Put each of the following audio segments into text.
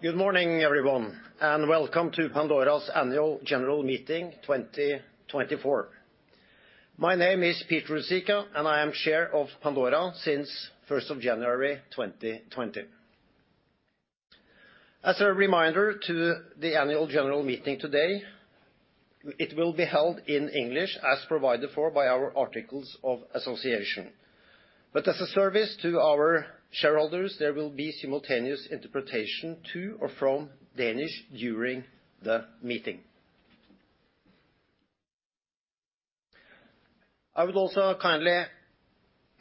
Good morning, everyone, and welcome to Pandora's Annual General Meeting 2024. My name is Peter Ruzicka, and I am Chair of Pandora since January 1, 2020. As a reminder to the annual general meeting today, it will be held in English as provided for by our Articles of Association. But as a service to our shareholders, there will be simultaneous interpretation to or from Danish during the meeting. I would also kindly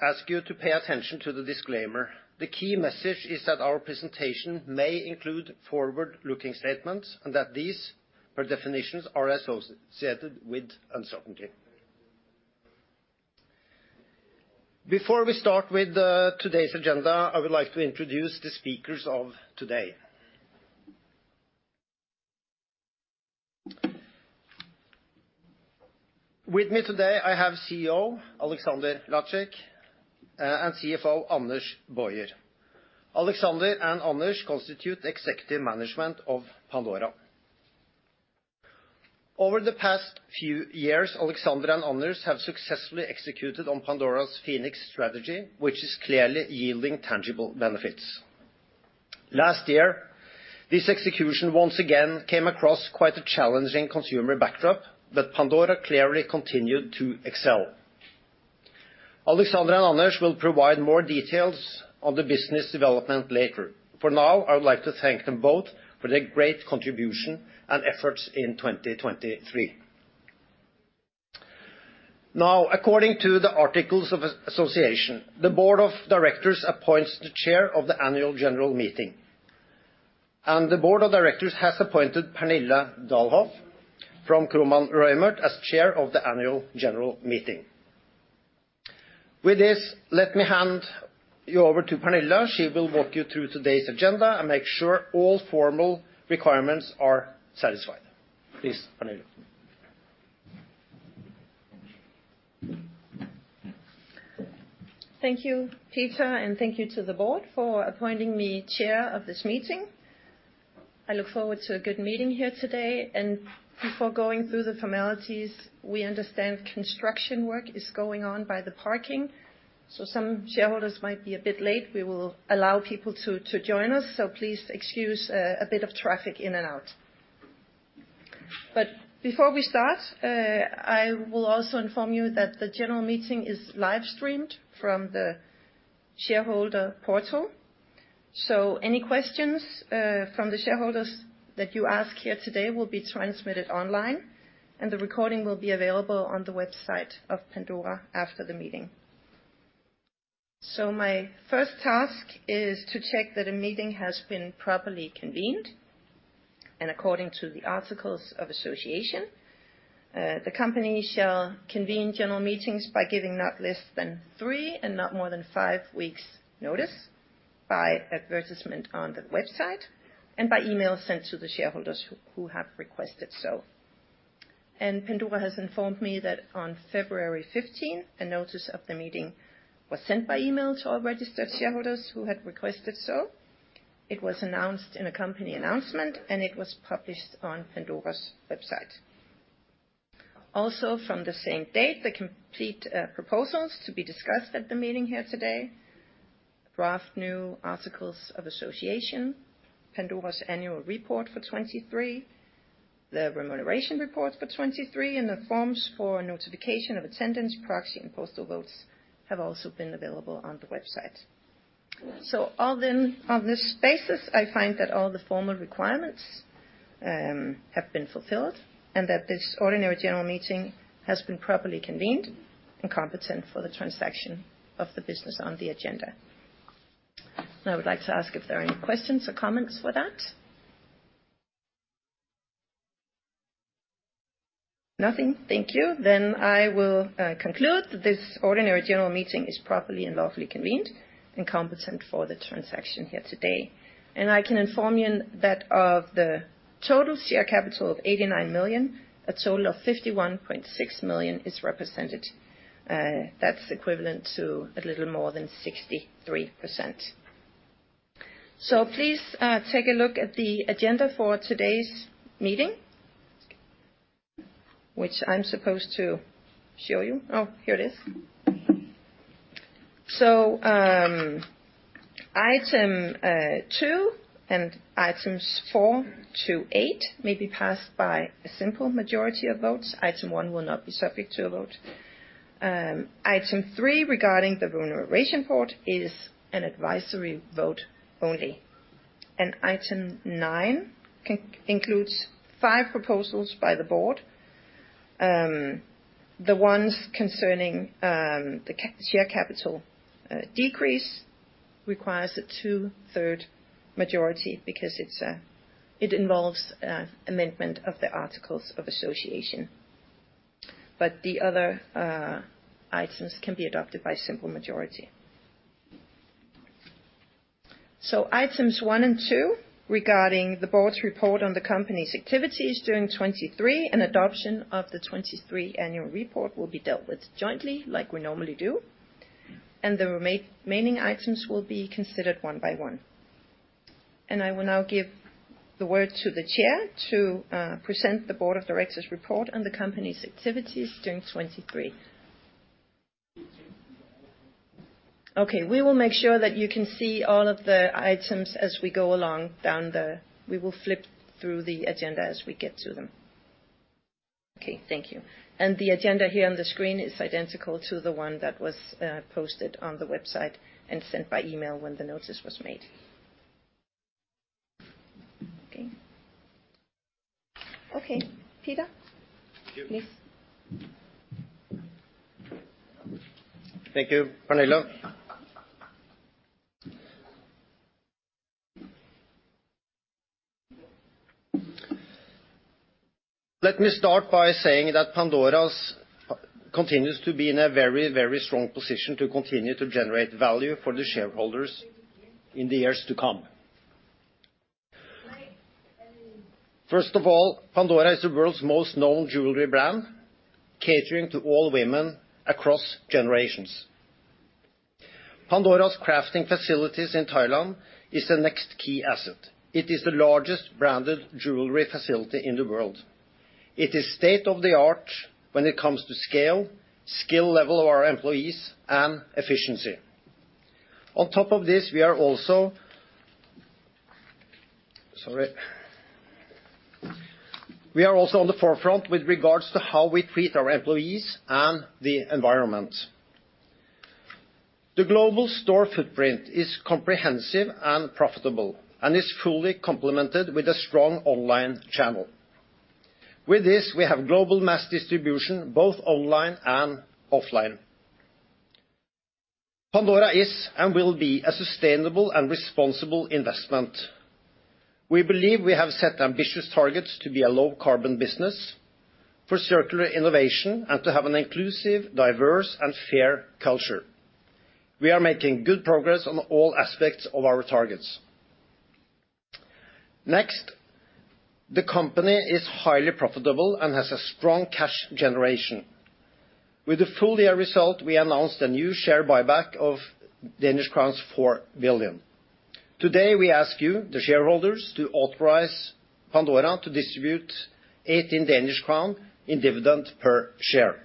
ask you to pay attention to the disclaimer. The key message is that our presentation may include forward-looking statements, and that these, per definitions, are associated with uncertainty. Before we start with today's agenda, I would like to introduce the speakers of today. With me today, I have CEO Alexander Lacik and CFO Anders Boyer. Alexander and Anders constitute executive management of Pandora. Over the past few years, Alexander and Anders have successfully executed on Pandora's Phoenix strategy, which is clearly yielding tangible benefits. Last year, this execution once again came across quite a challenging consumer backdrop, but Pandora clearly continued to excel. Alexander and Anders will provide more details on the business development later. For now, I would like to thank them both for their great contribution and efforts in 2023. Now, according to the Articles of Association, the Board of Directors appoints the chair of the annual general meeting, and the Board of Directors has appointed Pernille Dalhoff from Kromann Reumert as chair of the annual general meeting. With this, let me hand you over to Pernille. She will walk you through today's agenda and make sure all formal requirements are satisfied. Please, Pernille. Thank you, Peter, and thank you to the board for appointing me chair of this meeting. I look forward to a good meeting here today, and before going through the formalities, we understand construction work is going on by the parking, so some shareholders might be a bit late. We will allow people to join us, so please excuse a bit of traffic in and out. But before we start, I will also inform you that the general meeting is live streamed from the shareholder portal, so any questions from the shareholders that you ask here today will be transmitted online, and the recording will be available on the website of Pandora after the meeting. My first task is to check that a meeting has been properly convened, and according to the Articles of Association, the company shall convene general meetings by giving not less than three and not more than five weeks' notice by advertisement on the website and by email sent to the shareholders who have requested so. Pandora has informed me that on February fifteenth, a notice of the meeting was sent by email to all registered shareholders who had requested so. It was announced in a company announcement, and it was published on Pandora's website. Also, from the same date, the complete proposals to be discussed at the meeting here today, draft new articles of association, Pandora's annual report for 2023, the remuneration reports for 2023, and the forms for notification of attendance, proxy, and postal votes have also been available on the website. So then, on this basis, I find that all the formal requirements have been fulfilled and that this ordinary general meeting has been properly convened and competent for the transaction of the business on the agenda. I would like to ask if there are any questions or comments for that? Nothing. Thank you. Then I will conclude that this ordinary general meeting is properly and lawfully convened and competent for the transaction here today. I can inform you that of the total share capital of 89 million, a total of 51.6 million is represented. That's equivalent to a little more than 63%. So please, take a look at the agenda for today's meeting, which I'm supposed to show you. Oh, here it is. So, item two and items four to eight may be passed by a simple majority of votes. Item one will not be subject to a vote. Item three, regarding the remuneration report, is an advisory vote only, and item nine includes five proposals by the board. The ones concerning the share capital decrease requires a two-thirds majority because it involves amendment of the Articles of Association, but the other items can be adopted by simple majority. So items one and two, regarding the board's report on the company's activities during 2023 and adoption of the 2023 annual report, will be dealt with jointly, like we normally do, and the remaining items will be considered one by one. I will now give the word to the chair to present the board of directors' report on the company's activities during 2023. Okay, we will make sure that you can see all of the items as we go along. We will flip through the agenda as we get to them. Okay, thank you. The agenda here on the screen is identical to the one that was posted on the website and sent by email when the notice was made. Okay. Okay, Peter, please. Thank you, Pernille. Let me start by saying that Pandora's continues to be in a very, very strong position to continue to generate value for the shareholders in the years to come. First of all, Pandora is the world's most known jewelry brand, catering to all women across generations. Pandora's crafting facilities in Thailand is the next key asset. It is the largest branded jewelry facility in the world. It is state-of-the-art when it comes to scale, skill level of our employees, and efficiency. On top of this, we are also... Sorry. We are also on the forefront with regards to how we treat our employees and the environment. The global store footprint is comprehensive and profitable, and is fully complemented with a strong online channel. With this, we have global mass distribution, both online and offline. Pandora is, and will be, a sustainable and responsible investment. We believe we have set ambitious targets to be a low carbon business, for circular innovation, and to have an inclusive, diverse, and fair culture. We are making good progress on all aspects of our targets. Next, the company is highly profitable and has a strong cash generation. With the full-year result, we announced a new share buyback of Danish crowns 4 billion. Today, we ask you, the shareholders, to authorize Pandora to distribute 18 Danish crown dividend per share.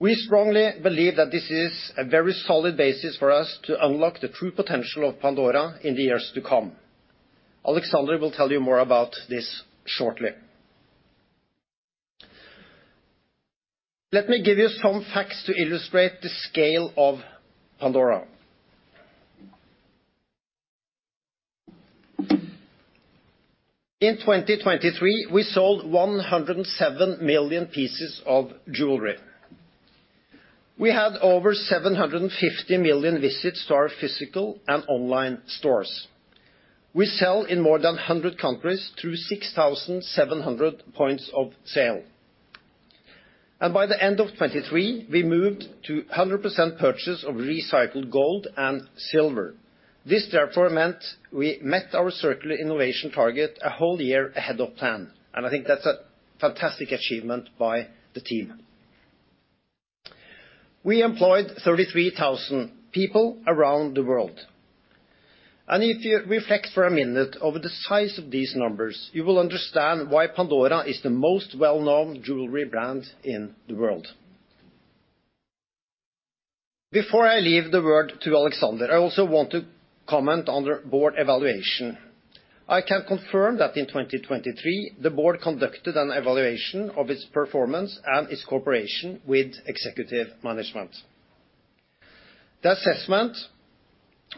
We strongly believe that this is a very solid basis for us to unlock the true potential of Pandora in the years to come. Alexander will tell you more about this shortly. Let me give you some facts to illustrate the scale of Pandora. In 2023, we sold 107 million pieces of jewelry. We had over 750 million visits to our physical and online stores. We sell in more than 100 countries through 6,700 points of sale. By the end of 2023, we moved to 100% purchase of recycled gold and silver. This therefore meant we met our circular innovation target a whole year ahead of plan, and I think that's a fantastic achievement by the team. We employed 33,000 people around the world. If you reflect for a minute over the size of these numbers, you will understand why Pandora is the most well-known jewelry brand in the world. Before I leave the word to Alexander, I also want to comment on the board evaluation. I can confirm that in 2023, the board conducted an evaluation of its performance and its cooperation with executive management. The assessment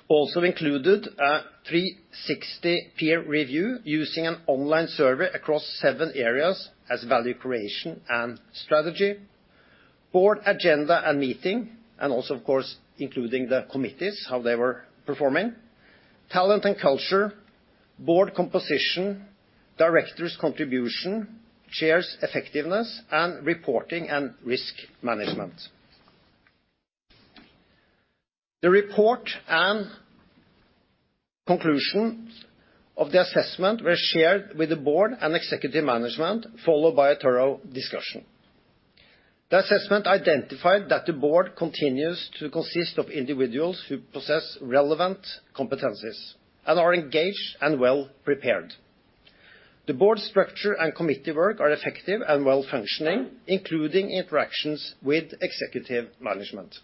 also included a 360 peer review, using an online survey across 7 areas as value creation and strategy, board agenda and meeting, and also, of course, including the committees, how they were performing, talent and culture, board composition, directors' contribution, chairs effectiveness, and reporting and risk management. The report and conclusion of the assessment were shared with the board and executive management, followed by a thorough discussion. The assessment identified that the board continues to consist of individuals who possess relevant competencies and are engaged and well-prepared. The board structure and committee work are effective and well-functioning, including interactions with executive management.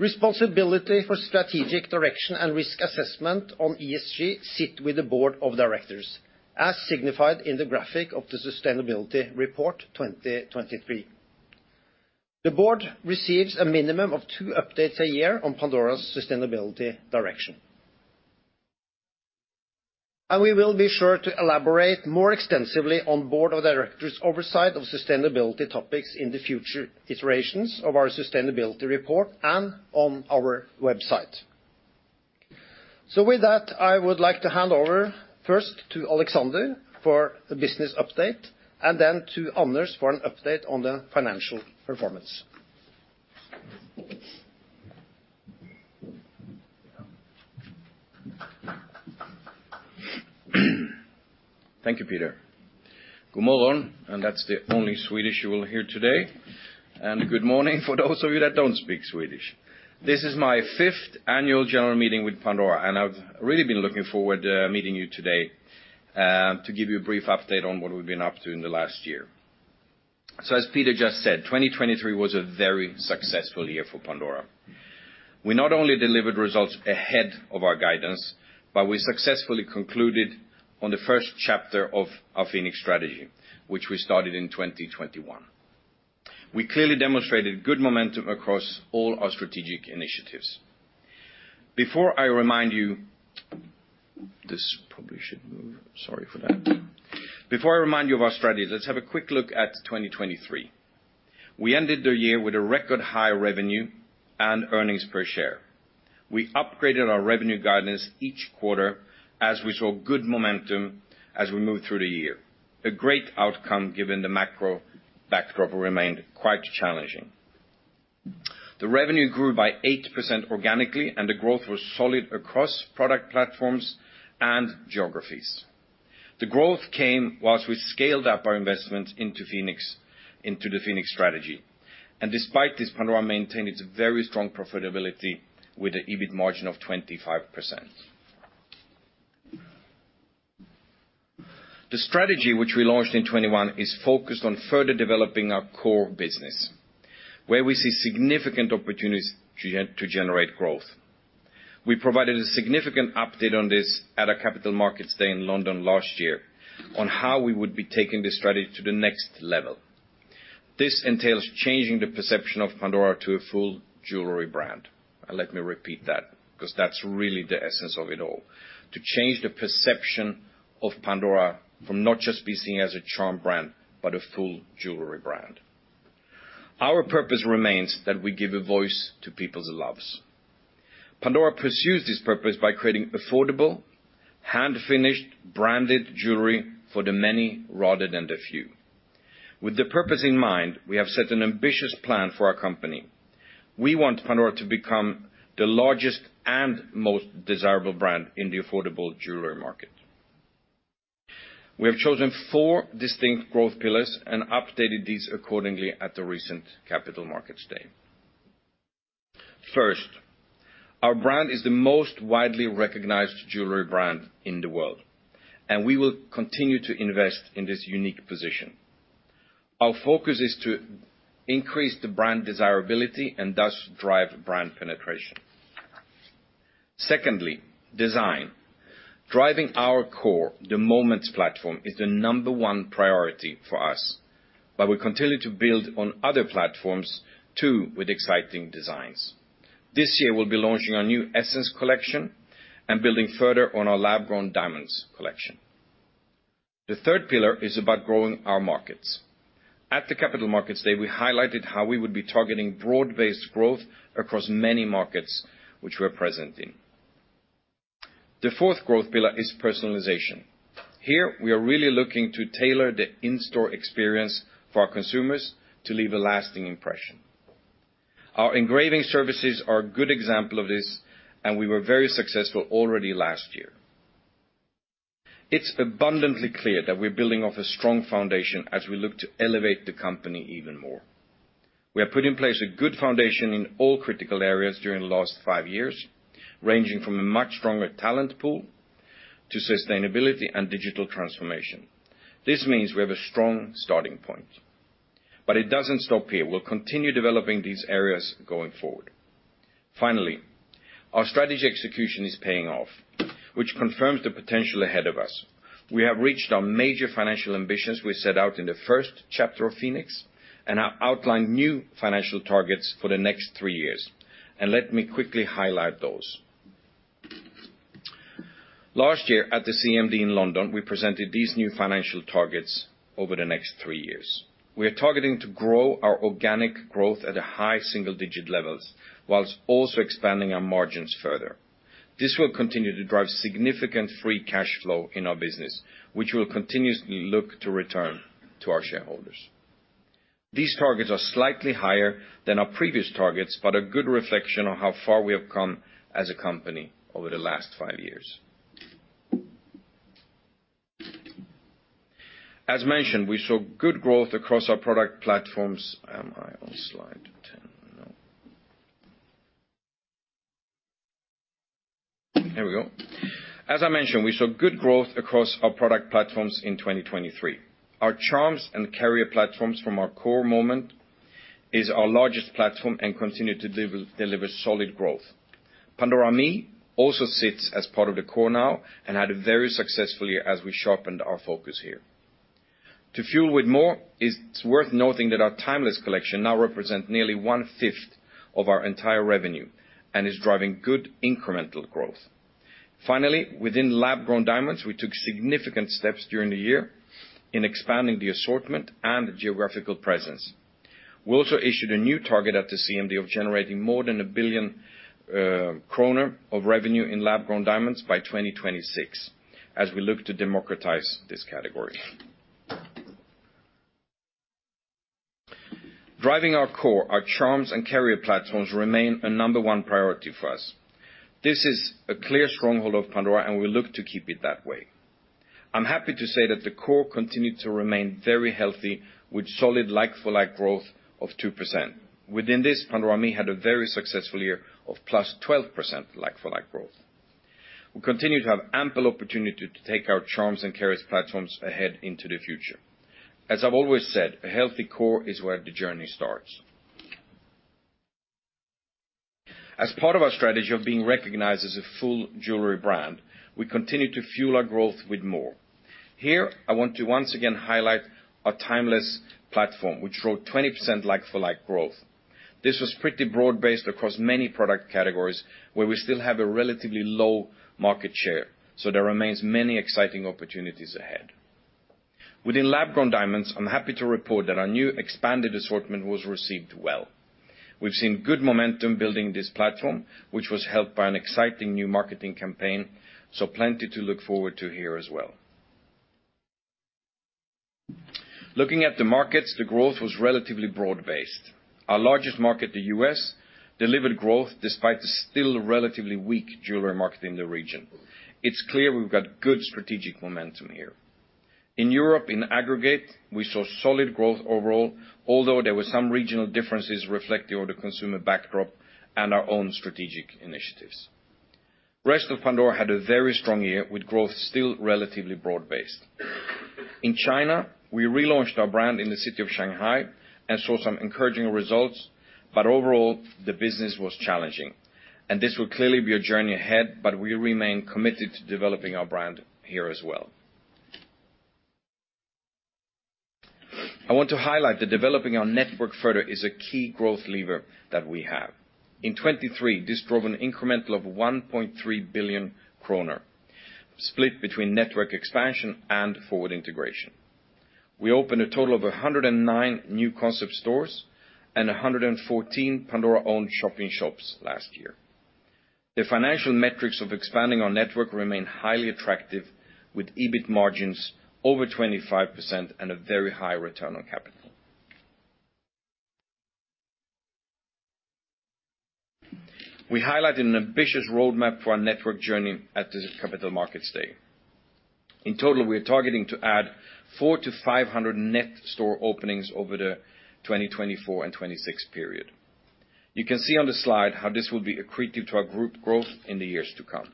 Responsibility for strategic direction and risk assessment on ESG sit with the board of directors, as signified in the graphic of the Sustainability Report 2023. The board receives a minimum of 2 updates a year on Pandora's sustainability direction. We will be sure to elaborate more extensively on the Board of Directors' oversight of sustainability topics in the future iterations of our sustainability report and on our website. So with that, I would like to hand over first to Alexander for the business update, and then to Anders for an update on the financial performance. Thank you, Peter. Good morning, and that's the only Swedish you will hear today. Good morning for those of you that don't speak Swedish. This is my fifth annual general meeting with Pandora, and I've really been looking forward to meeting you today to give you a brief update on what we've been up to in the last year. As Peter just said, 2023 was a very successful year for Pandora. We not only delivered results ahead of our guidance, but we successfully concluded on the first chapter of our Phoenix strategy, which we started in 2021. We clearly demonstrated good momentum across all our strategic initiatives. Before I remind you. This probably should move. Sorry for that. Before I remind you of our strategy, let's have a quick look at 2023. We ended the year with a record high revenue and earnings per share. We upgraded our revenue guidance each quarter as we saw good momentum as we moved through the year. A great outcome, given the macro backdrop, remained quite challenging. The revenue grew by 8% organically, and the growth was solid across product platforms and geographies. The growth came while we scaled up our investments into Phoenix, into the Phoenix strategy. Despite this, Pandora maintained its very strong profitability with an EBIT margin of 25%. The strategy, which we launched in 2021, is focused on further developing our core business, where we see significant opportunities to generate growth. We provided a significant update on this at our capital markets day in London last year on how we would be taking this strategy to the next level. This entails changing the perception of Pandora to a full jewelry brand. Let me repeat that, because that's really the essence of it all, to change the perception of Pandora from not just being seen as a charm brand, but a full jewelry brand. Our purpose remains that we give a voice to people's loves. Pandora pursues this purpose by creating affordable, hand-finished, branded jewelry for the many rather than the few. With the purpose in mind, we have set an ambitious plan for our company. We want Pandora to become the largest and most desirable brand in the affordable jewelry market. We have chosen four distinct growth pillars and updated these accordingly at the recent Capital Markets Day. First, our brand is the most widely recognized jewelry brand in the world, and we will continue to invest in this unique position. Our focus is to increase the brand desirability and thus drive brand penetration. Secondly, design. Driving our core, the Moments platform, is the number one priority for us, but we continue to build on other platforms, too, with exciting designs. This year, we'll be launching our new Essence collection and building further on our lab-grown diamonds collection. The third pillar is about growing our markets. At the Capital Markets Day, we highlighted how we would be targeting broad-based growth across many markets which we're present in. The fourth growth pillar is personalization. Here, we are really looking to tailor the in-store experience for our consumers to leave a lasting impression. Our engraving services are a good example of this, and we were very successful already last year. It's abundantly clear that we're building off a strong foundation as we look to elevate the company even more. We have put in place a good foundation in all critical areas during the last five years, ranging from a much stronger talent pool to sustainability and digital transformation. This means we have a strong starting point, but it doesn't stop here. We'll continue developing these areas going forward. Finally, our strategy execution is paying off, which confirms the potential ahead of us. We have reached our major financial ambitions we set out in the first chapter of Phoenix and have outlined new financial targets for the next three years. And let me quickly highlight those. Last year, at the CMD in London, we presented these new financial targets over the next three years. We are targeting to grow our organic growth at a high single-digit levels, whilst also expanding our margins further. This will continue to drive significant free cash flow in our business, which we'll continuously look to return to our shareholders. These targets are slightly higher than our previous targets, but a good reflection on how far we have come as a company over the last five years. As mentioned, we saw good growth across our product platforms. Am I on slide 10? No. Here we go. As I mentioned, we saw good growth across our product platforms in 2023. Our charms and carrier platforms from our core Moments is our largest platform and continue to deliver solid growth. Pandora ME also sits as part of the core now and had a very successful year as we sharpened our focus here. To fuel with more, it's worth noting that our Timeless collection now represents nearly 1/5 of our entire revenue and is driving good incremental growth. Finally, within lab-grown diamonds, we took significant steps during the year in expanding the assortment and geographical presence. We also issued a new target at the CMD of generating more than 1 billion kroner of revenue in lab-grown diamonds by 2026, as we look to democratize this category. Driving our core, our charms and carrier platforms remain a number one priority for us. This is a clear stronghold of Pandora, and we look to keep it that way. I'm happy to say that the core continued to remain very healthy, with solid like-for-like growth of 2%. Within this, Pandora ME had a very successful year of +12% like-for-like growth. We continue to have ample opportunity to take our charms and carriers platforms ahead into the future. As I've always said, a healthy core is where the journey starts. As part of our strategy of being recognized as a full jewelry brand, we continue to fuel our growth with more. Here, I want to once again highlight our timeless platform, which showed 20% like-for-like growth. This was pretty broad-based across many product categories, where we still have a relatively low market share, so there remains many exciting opportunities ahead. Within lab-grown diamonds, I'm happy to report that our new expanded assortment was received well. We've seen good momentum building this platform, which was helped by an exciting new marketing campaign, so plenty to look forward to here as well. Looking at the markets, the growth was relatively broad-based. Our largest market, the U.S., delivered growth despite the still relatively weak jewelry market in the region. It's clear we've got good strategic momentum here. In Europe, in aggregate, we saw solid growth overall, although there were some regional differences reflecting the consumer backdrop and our own strategic initiatives. Rest of Pandora had a very strong year, with growth still relatively broad-based. In China, we relaunched our brand in the city of Shanghai and saw some encouraging results, but overall, the business was challenging, and this will clearly be a journey ahead, but we remain committed to developing our brand here as well. I want to highlight that developing our network further is a key growth lever that we have. In 2023, this drove an incremental of 1.3 billion kroner, split between network expansion and forward integration. We opened a total of 109 new concept stores and 114 Pandora-owned shopping shops last year. The financial metrics of expanding our network remain highly attractive, with EBIT margins over 25% and a very high return on capital. We highlighted an ambitious roadmap for our network journey at the Capital Markets Day. In total, we are targeting to add 400-500 net store openings over the 2024 and 2026 period. You can see on the slide how this will be accretive to our group growth in the years to come.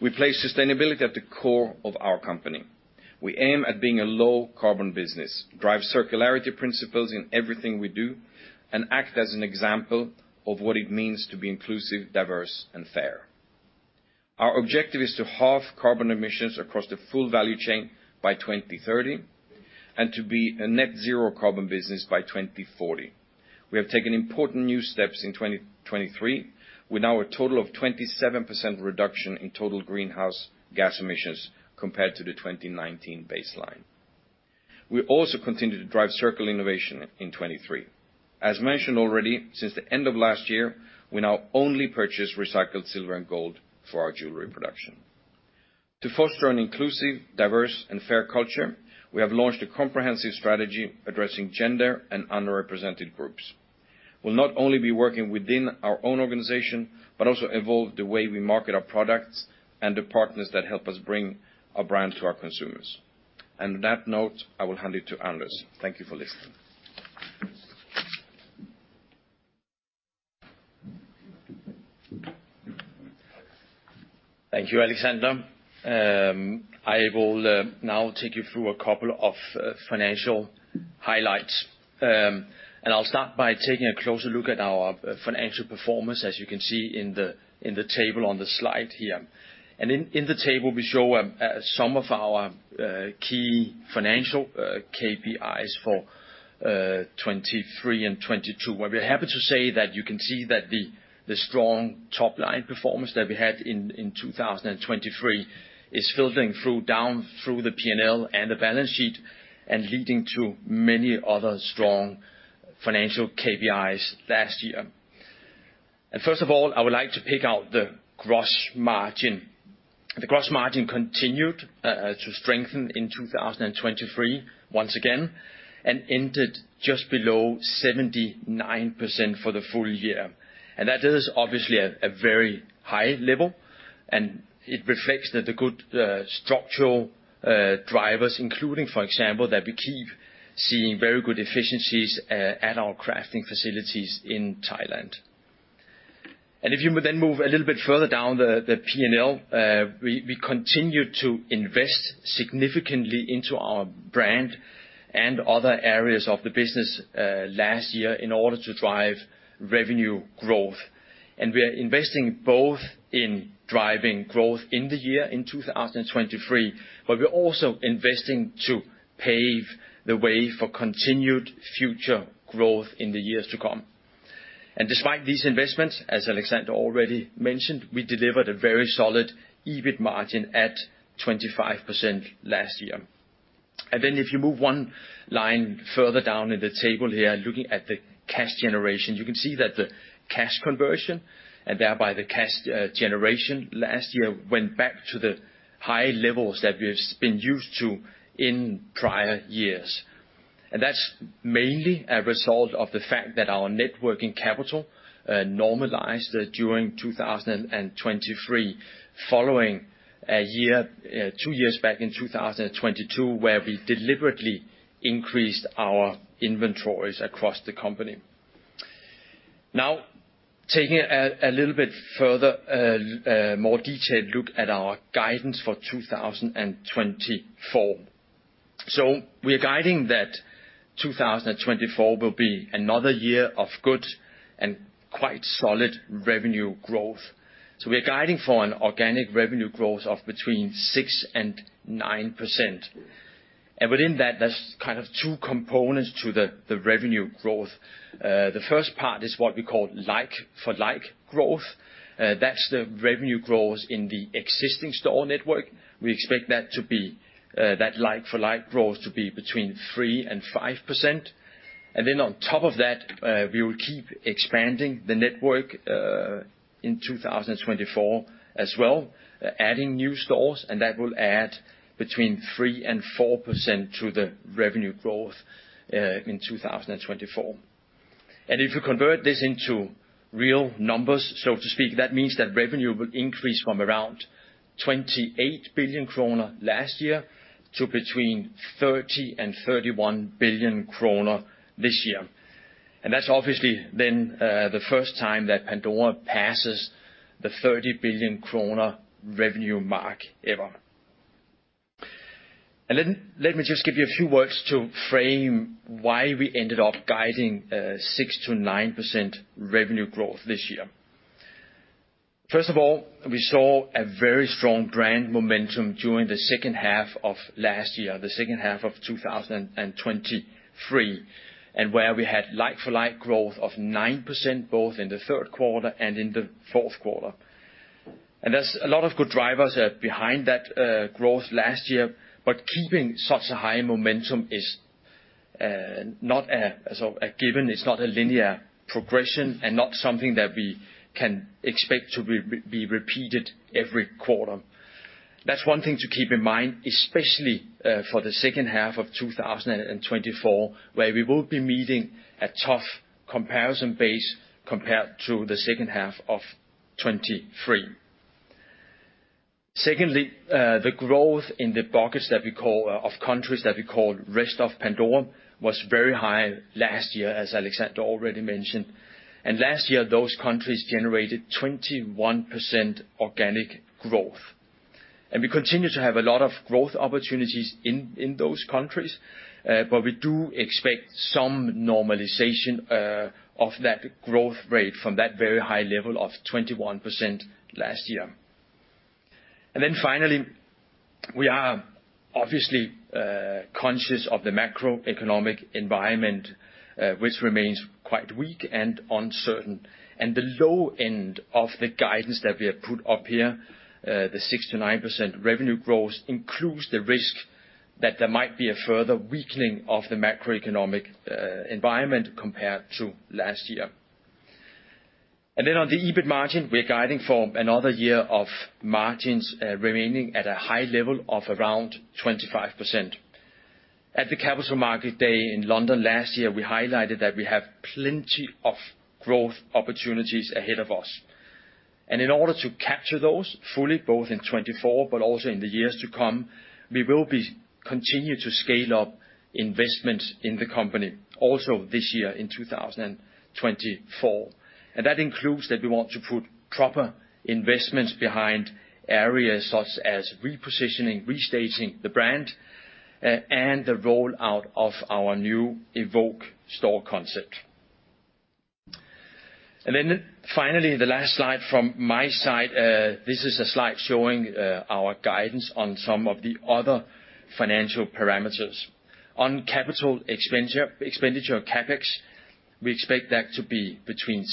We place sustainability at the core of our company. We aim at being a low-carbon business, drive circularity principles in everything we do, and act as an example of what it means to be inclusive, diverse, and fair. Our objective is to halve carbon emissions across the full value chain by 2030 and to be a net zero carbon business by 2040. We have taken important new steps in 2023, with now a total of 27% reduction in total greenhouse gas emissions compared to the 2019 baseline. We also continued to drive circular innovation in 2023. As mentioned already, since the end of last year, we now only purchase recycled silver and gold for our jewelry production. To foster an inclusive, diverse, and fair culture, we have launched a comprehensive strategy addressing gender and underrepresented groups. We'll not only be working within our own organization, but also evolve the way we market our products and the partners that help us bring our brand to our consumers. And on that note, I will hand it to Anders. Thank you for listening. Thank you, Alexander. I will now take you through a couple of financial highlights. And I'll start by taking a closer look at our financial performance, as you can see in the table on the slide here. In the table, we show some of our key financial KPIs for 2023 and 2022. Well, we're happy to say that you can see that the strong top-line performance that we had in 2023 is filtering through, down through the P&L and the balance sheet and leading to many other strong financial KPIs last year. First of all, I would like to pick out the gross margin. The gross margin continued to strengthen in 2023 once again and ended just below 79% for the full year. And that is obviously a very high level, and it reflects that the good structural drivers, including, for example, that we keep seeing very good efficiencies at our crafting facilities in Thailand. And if you then move a little bit further down the P&L, we continued to invest significantly into our brand and other areas of the business last year in order to drive revenue growth. And we are investing both in driving growth in the year in 2023, but we're also investing to pave the way for continued future growth in the years to come. And despite these investments, as Alexander already mentioned, we delivered a very solid EBIT margin at 25% last year. If you move one line further down in the table here, looking at the cash generation, you can see that the cash conversion, and thereby the cash generation last year went back to the high levels that we have been used to in prior years. That's mainly a result of the fact that our net working capital normalized during 2023, following a year two years back in 2022, where we deliberately increased our inventories across the company. Now, taking a little bit further, more detailed look at our guidance for 2024. We're guiding that 2024 will be another year of good and quite solid revenue growth. We are guiding for an organic revenue growth of between 6% and 9%. Within that, there's kind of two components to the revenue growth. The first part is what we call like-for-like growth. That's the revenue growth in the existing store network. We expect that to be, that like-for-like growth to be between 3% and 5%. And then on top of that, we will keep expanding the network, in 2024 as well, adding new stores, and that will add between 3% and 4% to the revenue growth, in 2024. And if you convert this into real numbers, so to speak, that means that revenue will increase from around 28 billion kroner last year to 30-31 billion kroner this year. And that's obviously then, the first time that Pandora passes the 30 billion kroner revenue mark ever. And let me just give you a few words to frame why we ended up guiding, 6%-9% revenue growth this year. First of all, we saw a very strong brand momentum during the second half of last year, the second half of 2023, and where we had like-for-like growth of 9%, both in the third quarter and in the fourth quarter. There's a lot of good drivers behind that growth last year, but keeping such a high momentum is not a sort of a given, it's not a linear progression and not something that we can expect to be repeated every quarter. That's one thing to keep in mind, especially for the second half of 2024, where we will be meeting a tough comparison base compared to the second half of 2023. Secondly, the growth in the buckets that we call of countries that we call Rest of Pandora was very high last year, as Alexander already mentioned. Last year, those countries generated 21% organic growth. We continue to have a lot of growth opportunities in those countries, but we do expect some normalization of that growth rate from that very high level of 21% last year. Then finally, we are obviously conscious of the macroeconomic environment, which remains quite weak and uncertain. The low end of the guidance that we have put up here, the 6%-9% revenue growth, includes the risk that there might be a further weakening of the macroeconomic environment compared to last year. Then on the EBIT margin, we're guiding for another year of margins remaining at a high level of around 25%. At the Capital Market Day in London last year, we highlighted that we have plenty of growth opportunities ahead of us, and in order to capture those fully, both in 2024, but also in the years to come, we will be continue to scale up investments in the company also this year, in 2024. That includes that we want to put proper investments behind areas such as repositioning, restaging the brand, and the rollout of our new Evoke store concept. Finally, the last slide from my side, this is a slide showing our guidance on some of the other financial parameters. On capital expenditure, CapEx, we expect that to be between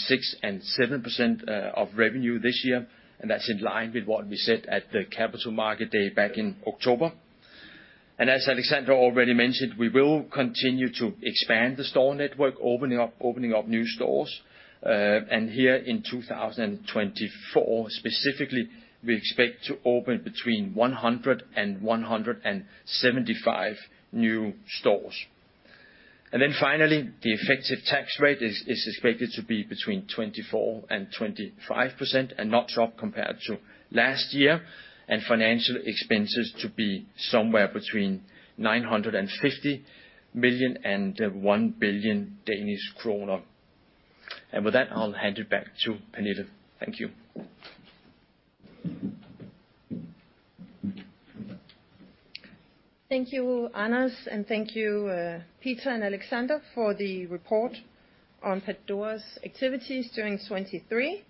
6%-7% of revenue this year, and that's in line with what we said at the Capital Market Day back in October. As Alexander already mentioned, we will continue to expand the store network, opening up new stores. Here in 2024, specifically, we expect to open between 100 and 175 new stores. And then finally, the effective tax rate is expected to be between 24% and 25%, and not drop compared to last year, and financial expenses to be somewhere between 950 million and 1 billion Danish kroner. With that, I'll hand it back to Pernille. Thank you. Thank you, Anders, and thank you, Peter and Alexander, for the report on Pandora's activities during 2023.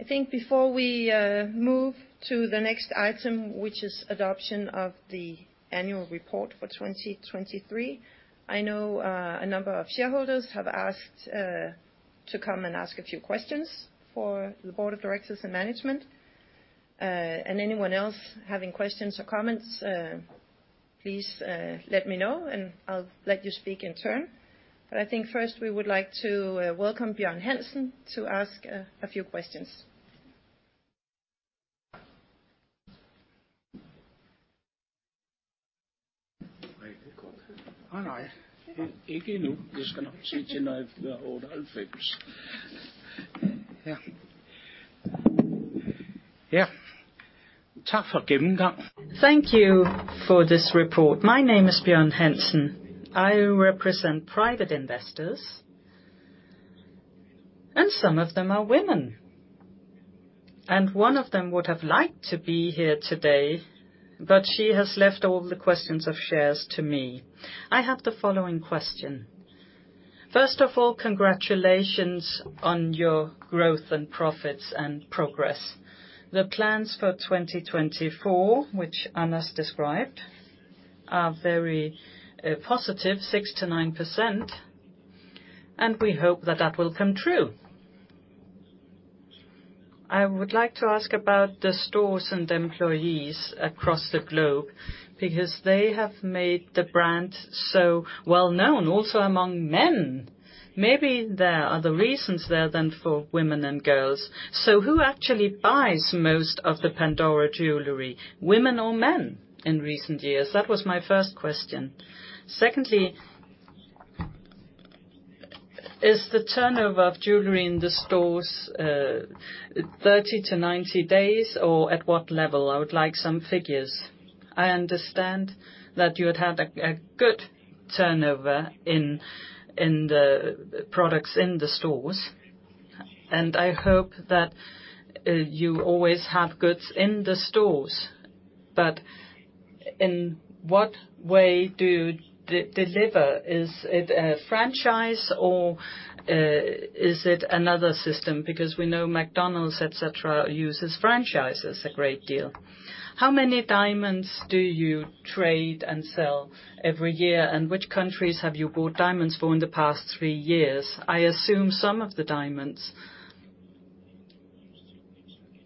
I think before we move to the next item, which is adoption of the annual report for 2023, I know a number of shareholders have asked to come and ask a few questions for the board of directors and management. And anyone else having questions or comments, please let me know, and I'll let you speak in turn. But I think first we would like to welcome Bjørn Hansen to ask a few questions. Thank you for this report. My name is Bjørn Hansen. I represent private investors, and some of them are women, and one of them would have liked to be here today, but she has left all the questions of shares to me. I have the following question: First of all, congratulations on your growth and profits and progress. The plans for 2024, which Anders described, are very positive, 6%-9%, and we hope that that will come true. I would like to ask about the stores and employees across the globe, because they have made the brand so well known, also among men. Maybe there are other reasons there than for women and girls. So who actually buys most of the Pandora jewelry, women or men, in recent years? That was my first question. Secondly, is the turnover of jewelry in the stores 30-90 days, or at what level? I would like some figures. I understand that you had a good turnover in the products in the stores, and I hope that you always have goods in the stores, but in what way do you deliver? Is it a franchise or is it another system? Because we know McDonald's, et cetera, uses franchises a great deal. How many diamonds do you trade and sell every year? And which countries have you bought diamonds for in the past three years? I assume some of the diamonds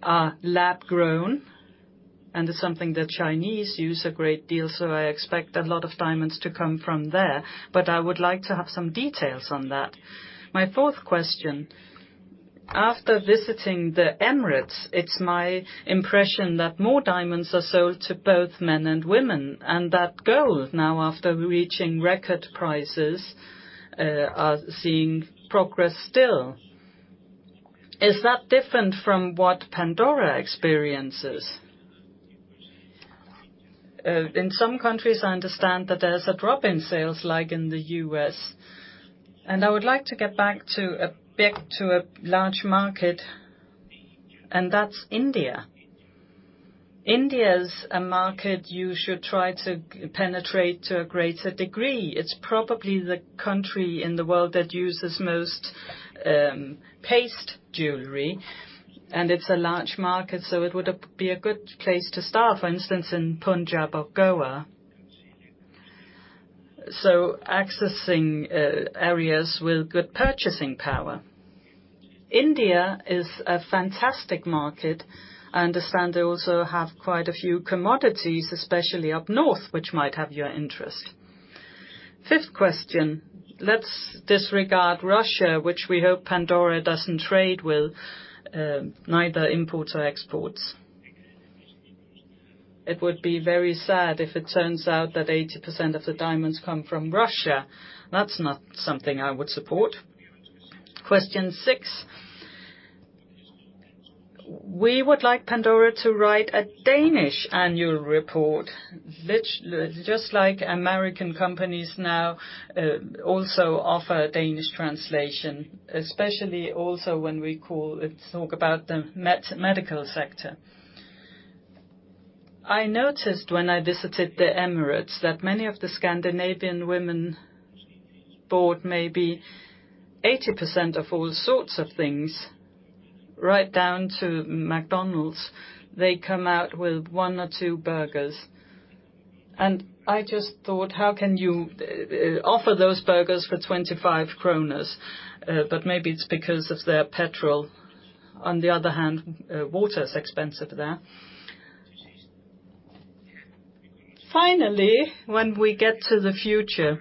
are lab grown, and it's something the Chinese use a great deal, so I expect a lot of diamonds to come from there, but I would like to have some details on that. My fourth question: After visiting the Emirates, it's my impression that more diamonds are sold to both men and women, and that gold now, after reaching record prices, are seeing progress still. Is that different from what Pandora experiences? In some countries, I understand that there's a drop in sales, like in the US. And I would like to get back to a big, to a large market, and that's India. India is a market you should try to penetrate to a greater degree. It's probably the country in the world that uses most paste jewelry, and it's a large market, so it would be a good place to start, for instance, in Punjab or Goa. So accessing areas with good purchasing power. India is a fantastic market. I understand they also have quite a few commodities, especially up north, which might have your interest. Fifth question: Let's disregard Russia, which we hope Pandora doesn't trade with, neither imports or exports. It would be very sad if it turns out that 80% of the diamonds come from Russia. That's not something I would support. Question six: We would like Pandora to write a Danish annual report, which, just like American companies now, also offer Danish translation, especially also when we call it, talk about the medical sector. I noticed when I visited the Emirates that many of the Scandinavian women bought maybe 80% of all sorts of things, right down to McDonald's. They come out with one or two burgers, and I just thought, how can you offer those burgers for 25 kroner? But maybe it's because of their petrol. On the other hand, water is expensive there. Finally, when we get to the future,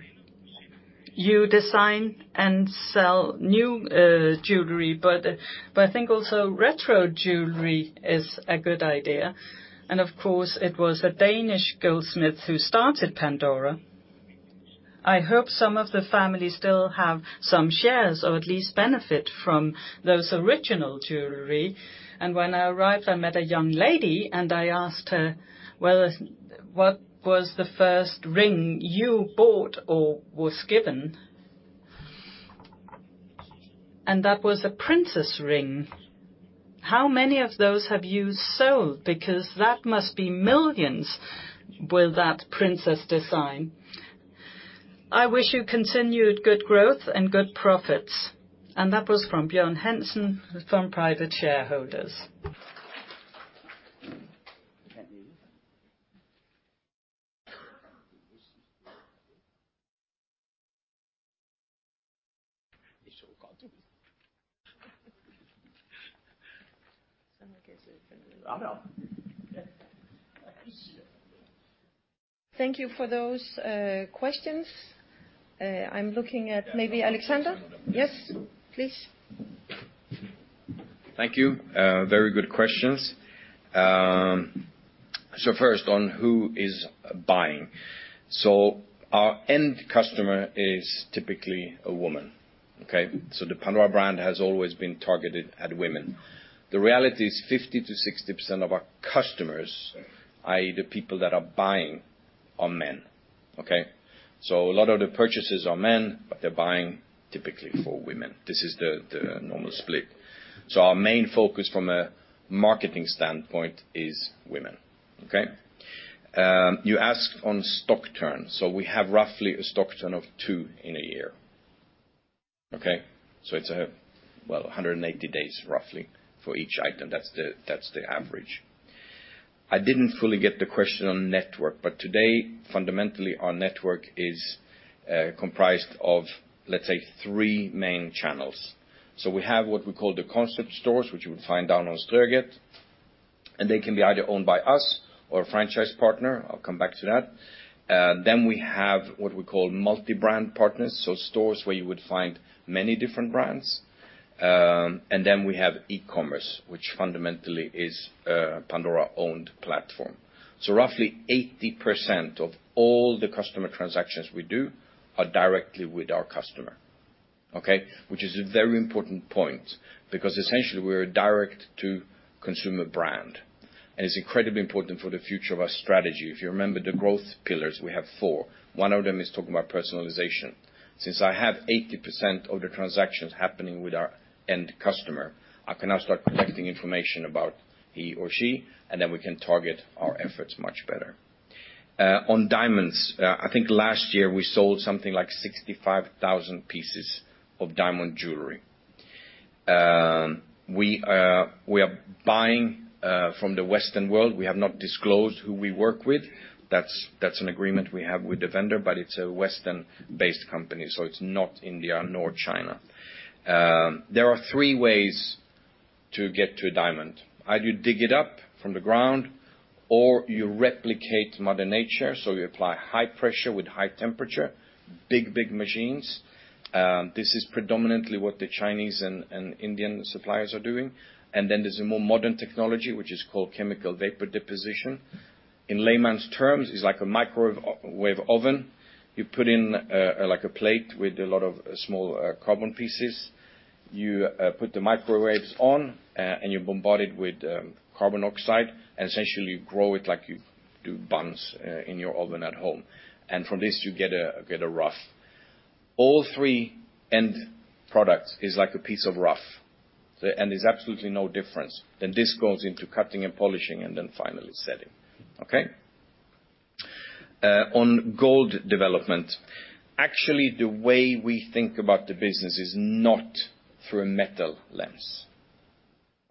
you design and sell new jewelry, but I think also retro jewelry is a good idea, and of course, it was a Danish goldsmith who started Pandora. I hope some of the families still have some shares or at least benefit from those original jewelry. And when I arrived, I met a young lady, and I asked her whether, "What was the first ring you bought or was given?" And that was a princess ring. How many of those have you sold? Because that must be millions with that princess design. I wish you continued good growth and good profits. That was from Bjørn Hansen, from private shareholders. Thank you for those questions. I'm looking at maybe Alexander? Yes, please. Thank you. Very good questions. So first, on who is buying? So our end customer is typically a woman, okay? So the Pandora brand has always been targeted at women. The reality is 50%-60% of our customers, i.e., the people that are buying, are men, okay? So a lot of the purchases are men, but they're buying typically for women. This is the, the normal split. So our main focus from a marketing standpoint is women, okay? You asked on stock turn. So we have roughly a stock turn of 2 in a year, okay? So it's a, well, 180 days, roughly, for each item. That's the, that's the average. I didn't fully get the question on network, but today, fundamentally, our network is comprised of, let's say, three main channels. So we have what we call the concept stores, which you would find down on Strøget, and they can be either owned by us or a franchise partner. I'll come back to that. Then we have what we call multi-brand partners, so stores where you would find many different brands. And then we have e-commerce, which fundamentally is a Pandora-owned platform. So roughly 80% of all the customer transactions we do are directly with our customer, okay? Which is a very important point, because essentially, we're a direct-to-consumer brand, and it's incredibly important for the future of our strategy. If you remember the growth pillars, we have four. One of them is talking about personalization. Since I have 80% of the transactions happening with our end customer, I can now start collecting information about he or she, and then we can target our efforts much better. On diamonds, I think last year we sold something like 65,000 pieces of diamond jewelry. We are buying from the Western world. We have not disclosed who we work with. That's an agreement we have with the vendor, but it's a Western-based company, so it's not India nor China. There are three ways to get to a diamond. Either you dig it up from the ground, or you replicate mother nature, so you apply high pressure with high temperature, big machines. This is predominantly what the Chinese and Indian suppliers are doing. And then there's a more modern technology, which is called chemical vapor deposition. In layman's terms, it's like a microwave oven. You put in like a plate with a lot of small carbon pieces. You put the microwaves on, and you bombard it with carbon oxide, and essentially, you grow it like you do buns in your oven at home. And from this, you get a rough. All three end products is like a piece of rough. And there's absolutely no difference. Then this goes into cutting and polishing, and then finally, setting. Okay? On gold development, actually, the way we think about the business is not through a metal lens,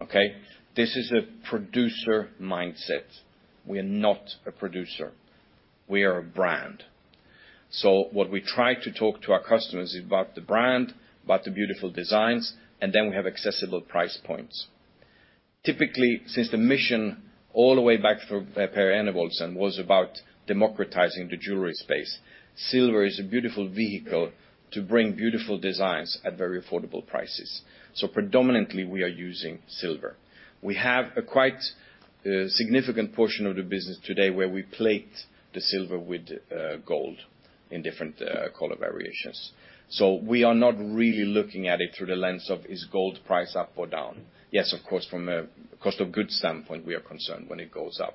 okay? This is a producer mindset. We are not a producer. We are a brand. So what we try to talk to our customers is about the brand, about the beautiful designs, and then we have accessible price points. Typically, since the mission all the way back from Per Enevoldsen was about democratizing the jewelry space, silver is a beautiful vehicle to bring beautiful designs at very affordable prices. So predominantly, we are using silver. We have a quite significant portion of the business today where we plate the silver with gold in different color variations. So we are not really looking at it through the lens of, is gold price up or down? Yes, of course, from a cost of goods standpoint, we are concerned when it goes up.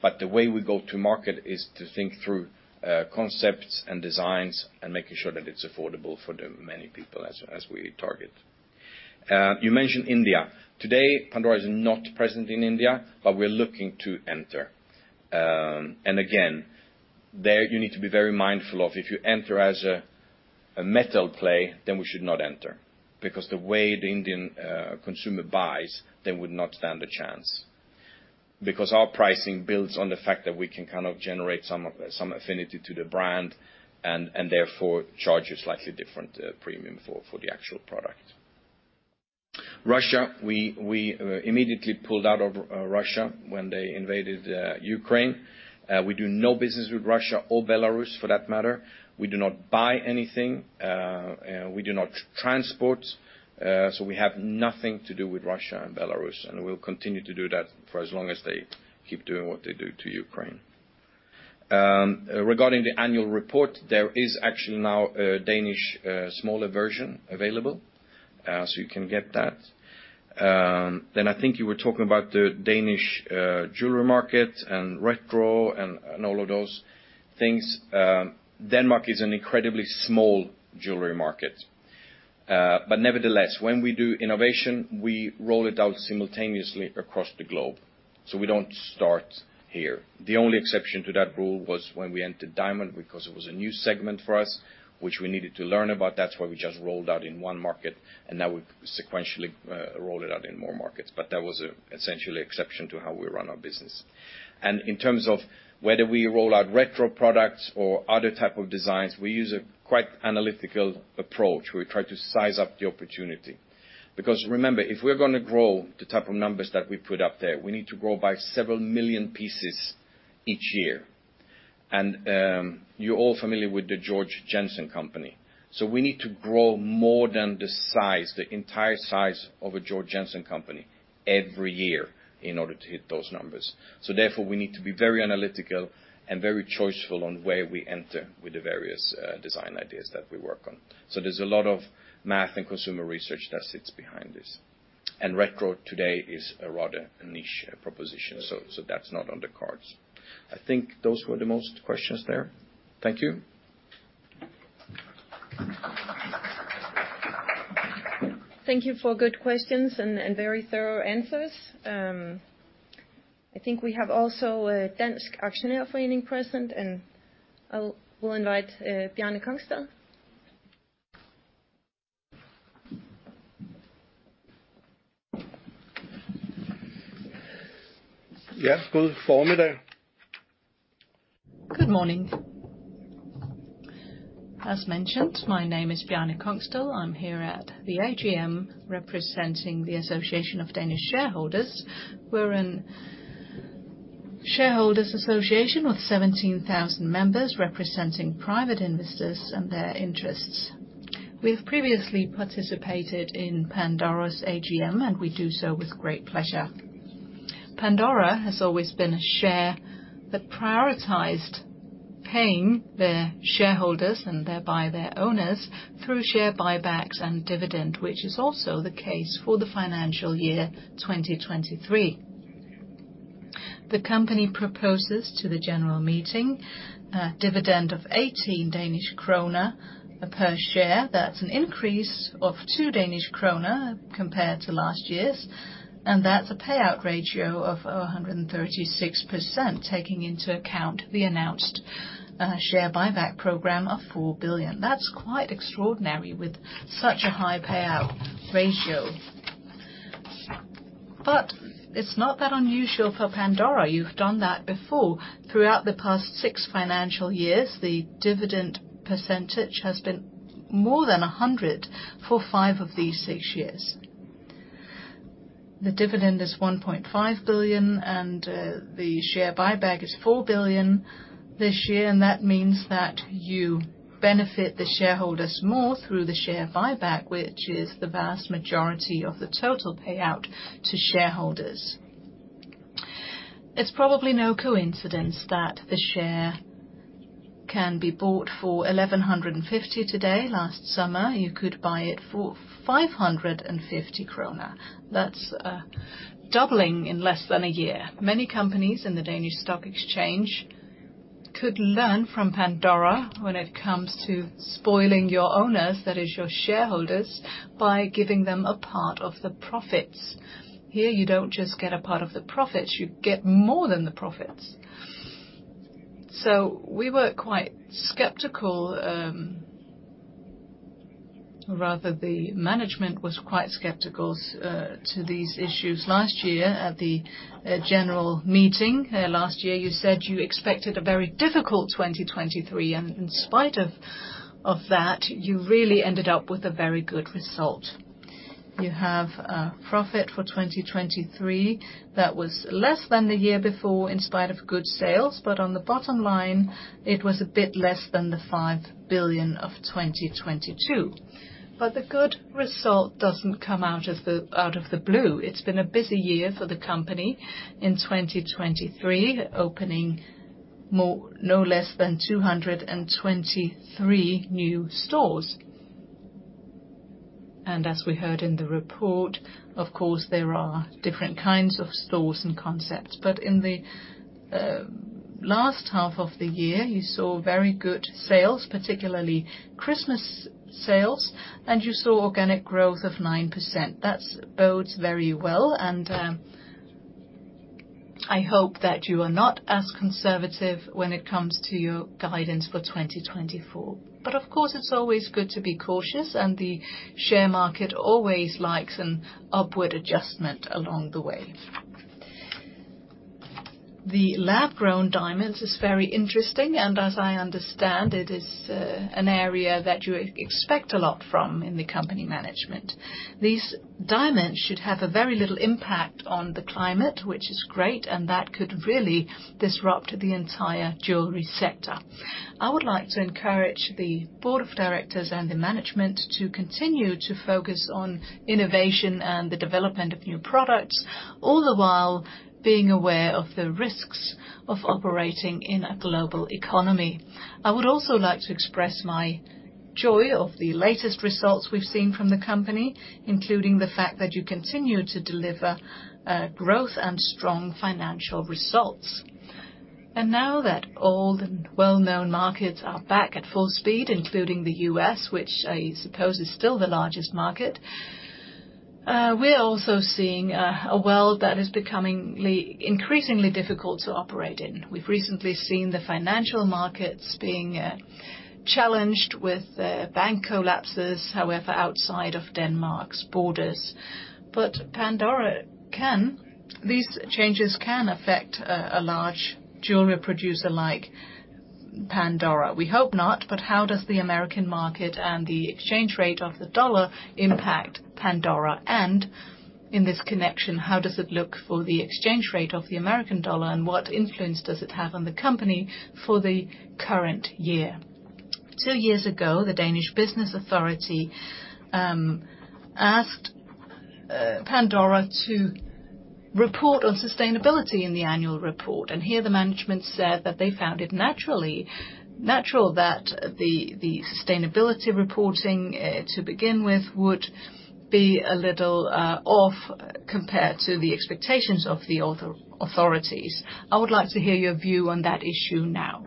But the way we go to market is to think through concepts and designs and making sure that it's affordable for the many people as we target. You mentioned India. Today, Pandora is not present in India, but we're looking to enter. And again, there you need to be very mindful of if you enter as a, a metal play, then we should not enter, because the way the Indian consumer buys, they would not stand a chance. Because our pricing builds on the fact that we can kind of generate some of the- some affinity to the brand and, and therefore, charge a slightly different premium for, for the actual product. Russia, we immediately pulled out of Russia when they invaded Ukraine. We do no business with Russia or Belarus, for that matter. We do not buy anything, we do not transport, so we have nothing to do with Russia and Belarus, and we'll continue to do that for as long as they keep doing what they do to Ukraine. Regarding the annual report, there is actually now a Danish smaller version available, so you can get that. Then I think you were talking about the Danish jewelry market and retro and all of those things. Denmark is an incredibly small jewelry market, but nevertheless, when we do innovation, we roll it out simultaneously across the globe, so we don't start here. The only exception to that rule was when we entered diamond, because it was a new segment for us, which we needed to learn about. That's why we just rolled out in one market, and now we've sequentially rolled it out in more markets. But that was essentially exception to how we run our business. In terms of whether we roll out retro products or other type of designs, we use a quite analytical approach. We try to size up the opportunity, because remember, if we're gonna grow the type of numbers that we put up there, we need to grow by several million pieces each year. And you're all familiar with the Georg Jensen Company. So we need to grow more than the size, the entire size of a Georg Jensen Company every year in order to hit those numbers. So therefore, we need to be very analytical and very choiceful on where we enter with the various design ideas that we work on. So there's a lot of math and consumer research that sits behind this. And retro today is a rather a niche proposition, so that's not on the cards. I think those were the most questions there. Thank you. Thank you for good questions and very thorough answers. I think we have also a Dansk Aktionærforening present, and I'll invite Bjarne Kongsted. Yes, good afternoon. Good morning. As mentioned, my name is Bjarne Kongsted. I'm here at the AGM, representing the Association of Danish Shareholders. We're a shareholders association with 17,000 members, representing private investors and their interests. We have previously participated in Pandora's AGM, and we do so with great pleasure. Pandora has always been a share that prioritized paying their shareholders, and thereby their owners, through share buybacks and dividend, which is also the case for the financial year 2023. The company proposes to the general meeting a dividend of 18 Danish kroner per share. That's an increase of 2 Danish kroner compared to last year's, and that's a payout ratio of 136%, taking into account the announced share buyback program of 4 billion. That's quite extraordinary with such a high payout ratio. But it's not that unusual for Pandora. You've done that before. Throughout the past six financial years, the dividend percentage has been more than 100% for five of these six years. The dividend is 1.5 billion, and the share buyback is 4 billion this year, and that means that you benefit the shareholders more through the share buyback, which is the vast majority of the total payout to shareholders. It's probably no coincidence that the share can be bought for 1,150 today. Last summer, you could buy it for 550 krone. That's a doubling in less than a year. Many companies in the Danish Stock Exchange could learn from Pandora when it comes to spoiling your owners, that is your shareholders, by giving them a part of the profits. Here, you don't just get a part of the profits, you get more than the profits. So we were quite skeptical, rather the management was quite skeptical, to these issues last year at the general meeting. Last year, you said you expected a very difficult 2023, and in spite of that, you really ended up with a very good result. You have a profit for 2023 that was less than the year before in spite of good sales, but on the bottom line, it was a bit less than the 5 billion of 2022. But the good result doesn't come out of the blue. It's been a busy year for the company in 2023, opening more—no less than 223 new stores. As we heard in the report, of course, there are different kinds of stores and concepts, but in the last half of the year, you saw very good sales, particularly Christmas sales, and you saw organic growth of 9%. That bodes very well, and I hope that you are not as conservative when it comes to your guidance for 2024. But of course, it's always good to be cautious, and the share market always likes an upward adjustment along the way. The lab-grown diamonds is very interesting, and as I understand, it is an area that you expect a lot from in the company management. These diamonds should have a very little impact on the climate, which is great, and that could really disrupt the entire jewelry sector. I would like to encourage the board of directors and the management to continue to focus on innovation and the development of new products, all the while being aware of the risks of operating in a global economy. I would also like to express my joy of the latest results we've seen from the company, including the fact that you continue to deliver growth and strong financial results. And now that old and well-known markets are back at full speed, including the US, which I suppose is still the largest market, we're also seeing a world that is becoming increasingly difficult to operate in. We've recently seen the financial markets being challenged with bank collapses, however, outside of Denmark's borders. But these changes can affect a large jewelry producer like Pandora? We hope not, but how does the American market and the exchange rate of the US dollar impact Pandora? And in this connection, how does it look for the exchange rate of the US dollar, and what influence does it have on the company for the current year? Two years ago, the Danish Business Authority asked Pandora to report on sustainability in the annual report, and here the management said that they found it natural that the sustainability reporting to begin with would be a little off, compared to the expectations of the authorities. I would like to hear your view on that issue now.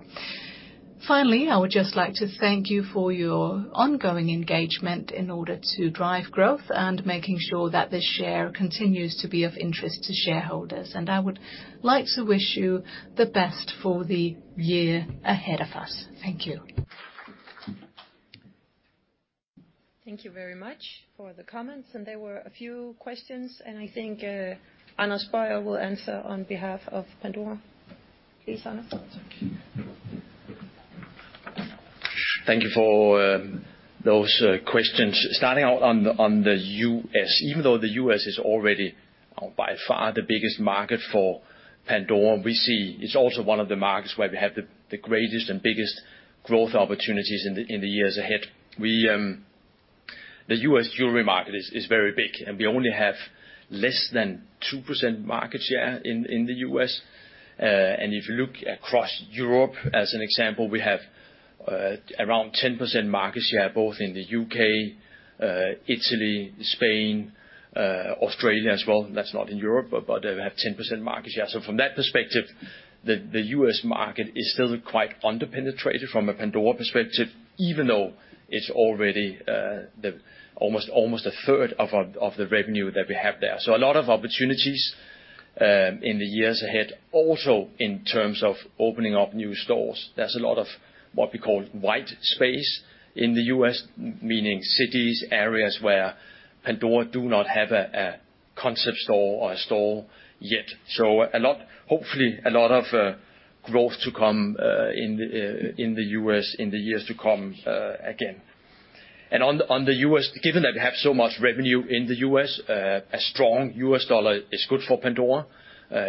Finally, I would just like to thank you for your ongoing engagement in order to drive growth and making sure that the share continues to be of interest to shareholders. I would like to wish you the best for the year ahead of us. Thank you. Thank you very much for the comments, and there were a few questions, and I think, Anders Boyer will answer on behalf of Pandora. Please, Anders. Thank you for those questions. Starting out on the U.S. Even though the U.S. is already, by far, the biggest market for Pandora, we see it's also one of the markets where we have the greatest and biggest growth opportunities in the years ahead. The U.S. jewelry market is very big, and we only have less than 2% market share in the U.S. And if you look across Europe, as an example, we have around 10% market share, both in the U.K., Italy, Spain, Australia as well. That's not in Europe, but they have 10% market share. So from that perspective, the U.S. market is still quite under-penetrated from a Pandora perspective, even though it's already almost a third of the revenue that we have there. So a lot of opportunities in the years ahead. Also, in terms of opening up new stores, there's a lot of what we call white space in the U.S., meaning cities, areas where Pandora do not have a concept store or a store yet. So a lot—hopefully, a lot of growth to come in the U.S., in the years to come, again. And on the U.S., given that we have so much revenue in the U.S., a strong U.S. dollar is good for Pandora.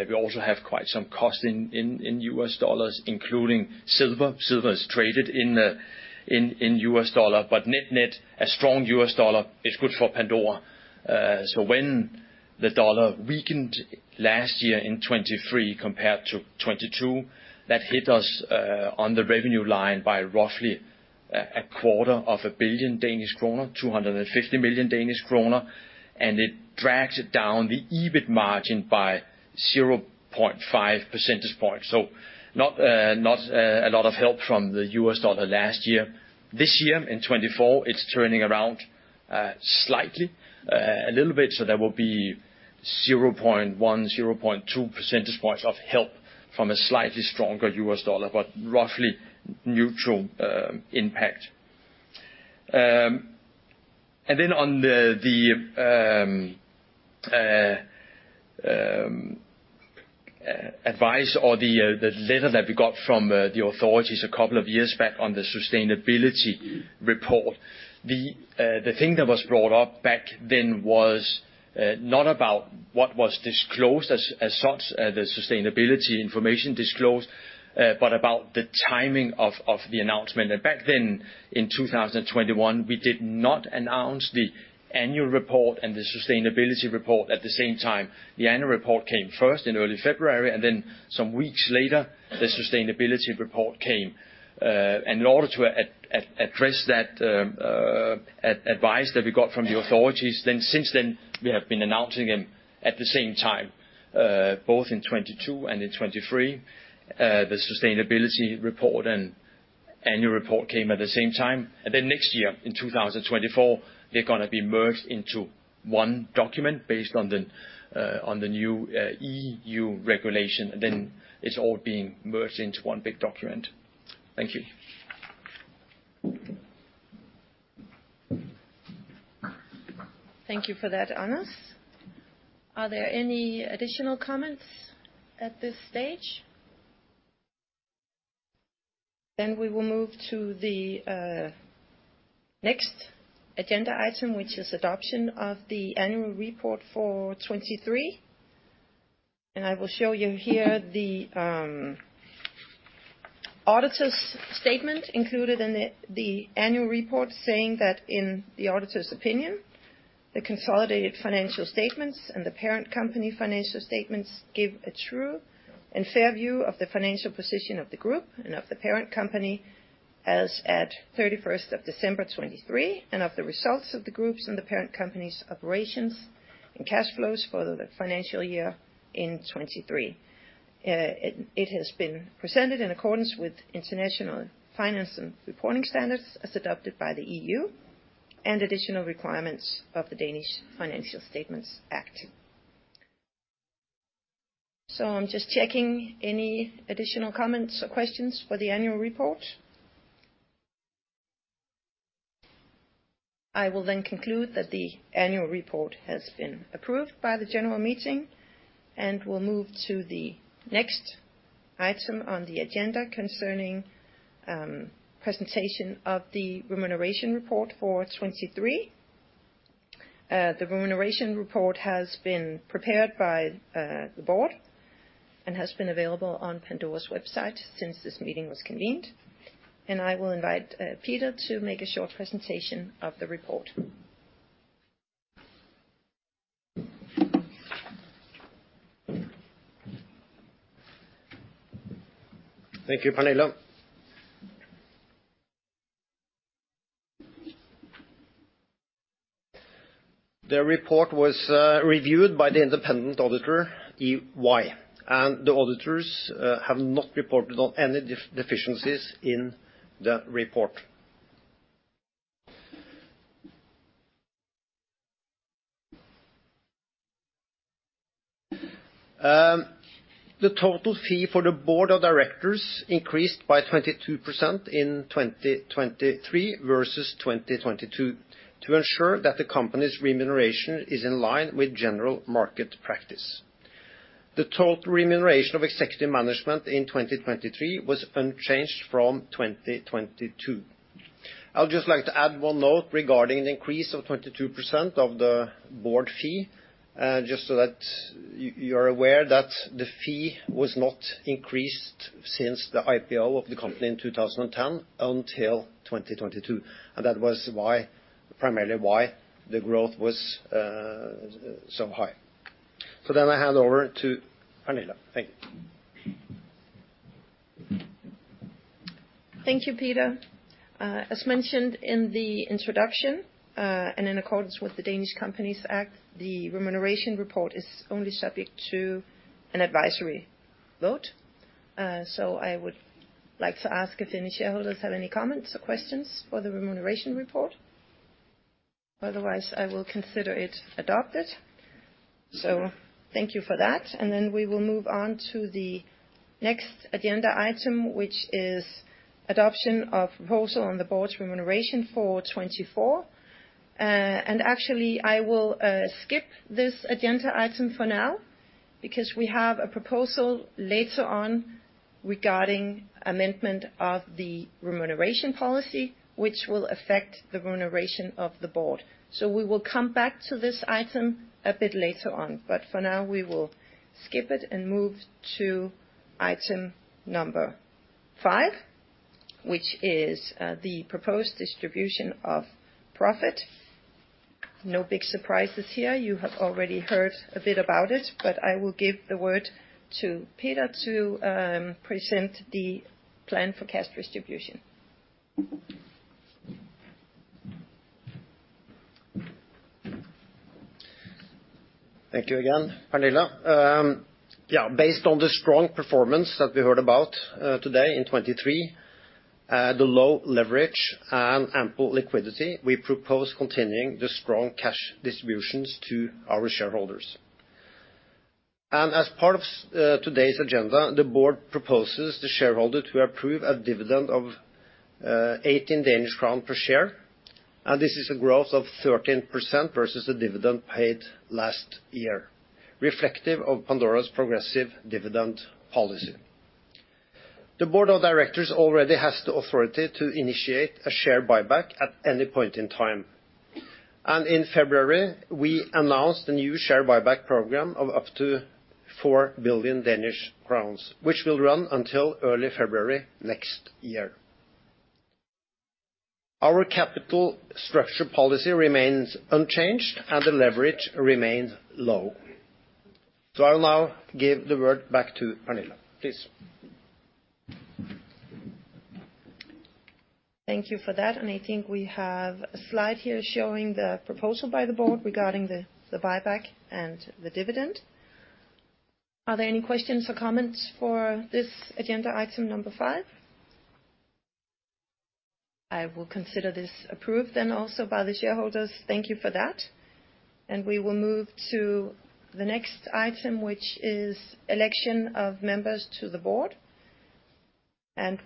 We also have quite some cost in U.S. dollars, including silver. Silver is traded in U.S. dollar, but net-net, a strong U.S. dollar is good for Pandora. So when the dollar weakened last year in 2023 compared to 2022, that hit us on the revenue line by roughly a quarter of a billion DKK, 250 million Danish kroner, and it drags down the EBIT margin by 0.5 percentage points. So not a lot of help from the US dollar last year. This year, in 2024, it's turning around slightly, a little bit, so there will be 0.1-0.2 percentage points of help from a slightly stronger US dollar, but roughly neutral impact. And then on the advice or the letter that we got from the authorities a couple of years back on the sustainability report, the thing that was brought up back then was not about what was disclosed as such, the sustainability information disclosed, but about the timing of the announcement. And back then, in 2021, we did not announce the annual report and the sustainability report at the same time. The annual report came first in early February, and then some weeks later, the sustainability report came. And in order to address that advice that we got from the authorities, then since then, we have been announcing them at the same time, both in 2022 and in 2023. The sustainability report and annual report came at the same time. And then next year, in 2024, they're gonna be merged into one document based on the, on the new, EU regulation. Then it's all being merged into one big document. Thank you. Thank you for that, Anders. Are there any additional comments at this stage? Then we will move to the next agenda item, which is adoption of the annual report for 2023. And I will show you here the auditor's statement included in the annual report, saying that in the auditor's opinion, the consolidated financial statements and the parent company financial statements give a true and fair view of the financial position of the group and of the parent company as at thirty-first of December 2023, and of the results of the groups and the parent company's operations and cash flows for the financial year in 2023. It has been presented in accordance with International Financial Reporting Standards, as adopted by the EU, and additional requirements of the Danish Financial Statements Act. So I'm just checking any additional comments or questions for the annual report? I will then conclude that the annual report has been approved by the general meeting, and we'll move to the next item on the agenda concerning presentation of the remuneration report for 2023. The remuneration report has been prepared by the board and has been available on Pandora's website since this meeting was convened, and I will invite Peter to make a short presentation of the report. Thank you, Pernille. The report was reviewed by the independent auditor, EY, and the auditors have not reported on any deficiencies in the report. The total fee for the board of directors increased by 22% in 2023 versus 2022, to ensure that the company's remuneration is in line with general market practice. The total remuneration of executive management in 2023 was unchanged from 2022. I would just like to add one note regarding the increase of 22% of the board fee, just so that you're aware, that the fee was not increased since the IPO of the company in 2010 until 2022, and that was why, primarily why the growth was so high. Then I hand over to Pernille. Thank you. Thank you, Peter. As mentioned in the introduction, and in accordance with the Danish Companies Act, the remuneration report is only subject to an advisory vote. So I would like to ask if any shareholders have any comments or questions for the remuneration report? Otherwise, I will consider it adopted. So thank you for that, and then we will move on to the next agenda item, which is adoption of proposal on the board's remuneration for 2024. And actually, I will skip this agenda item for now, because we have a proposal later on regarding amendment of the remuneration policy, which will affect the remuneration of the board. So we will come back to this item a bit later on, but for now, we will skip it and move to item number five, which is the proposed distribution of profit. No big surprises here. You have already heard a bit about it, but I will give the word to Peter to present the plan for cash distribution. Thank you again, Pernille. Based on the strong performance that we heard about today in 2023, the low leverage and ample liquidity, we propose continuing the strong cash distributions to our shareholders. As part of today's agenda, the board proposes the shareholder to approve a dividend of 18 Danish crown per share, and this is a growth of 13% versus the dividend paid last year, reflective of Pandora's progressive dividend policy. The board of directors already has the authority to initiate a share buyback at any point in time, and in February, we announced a new share buyback program of up to 4 billion Danish crowns, which will run until early February next year. Our capital structure policy remains unchanged, and the leverage remains low. So I will now give the word back to Pernille, please. Thank you for that, and I think we have a slide here showing the proposal by the board regarding the buyback and the dividend. Are there any questions or comments for this agenda item number five? I will consider this approved then also by the shareholders. Thank you for that, and we will move to the next item, which is election of members to the board.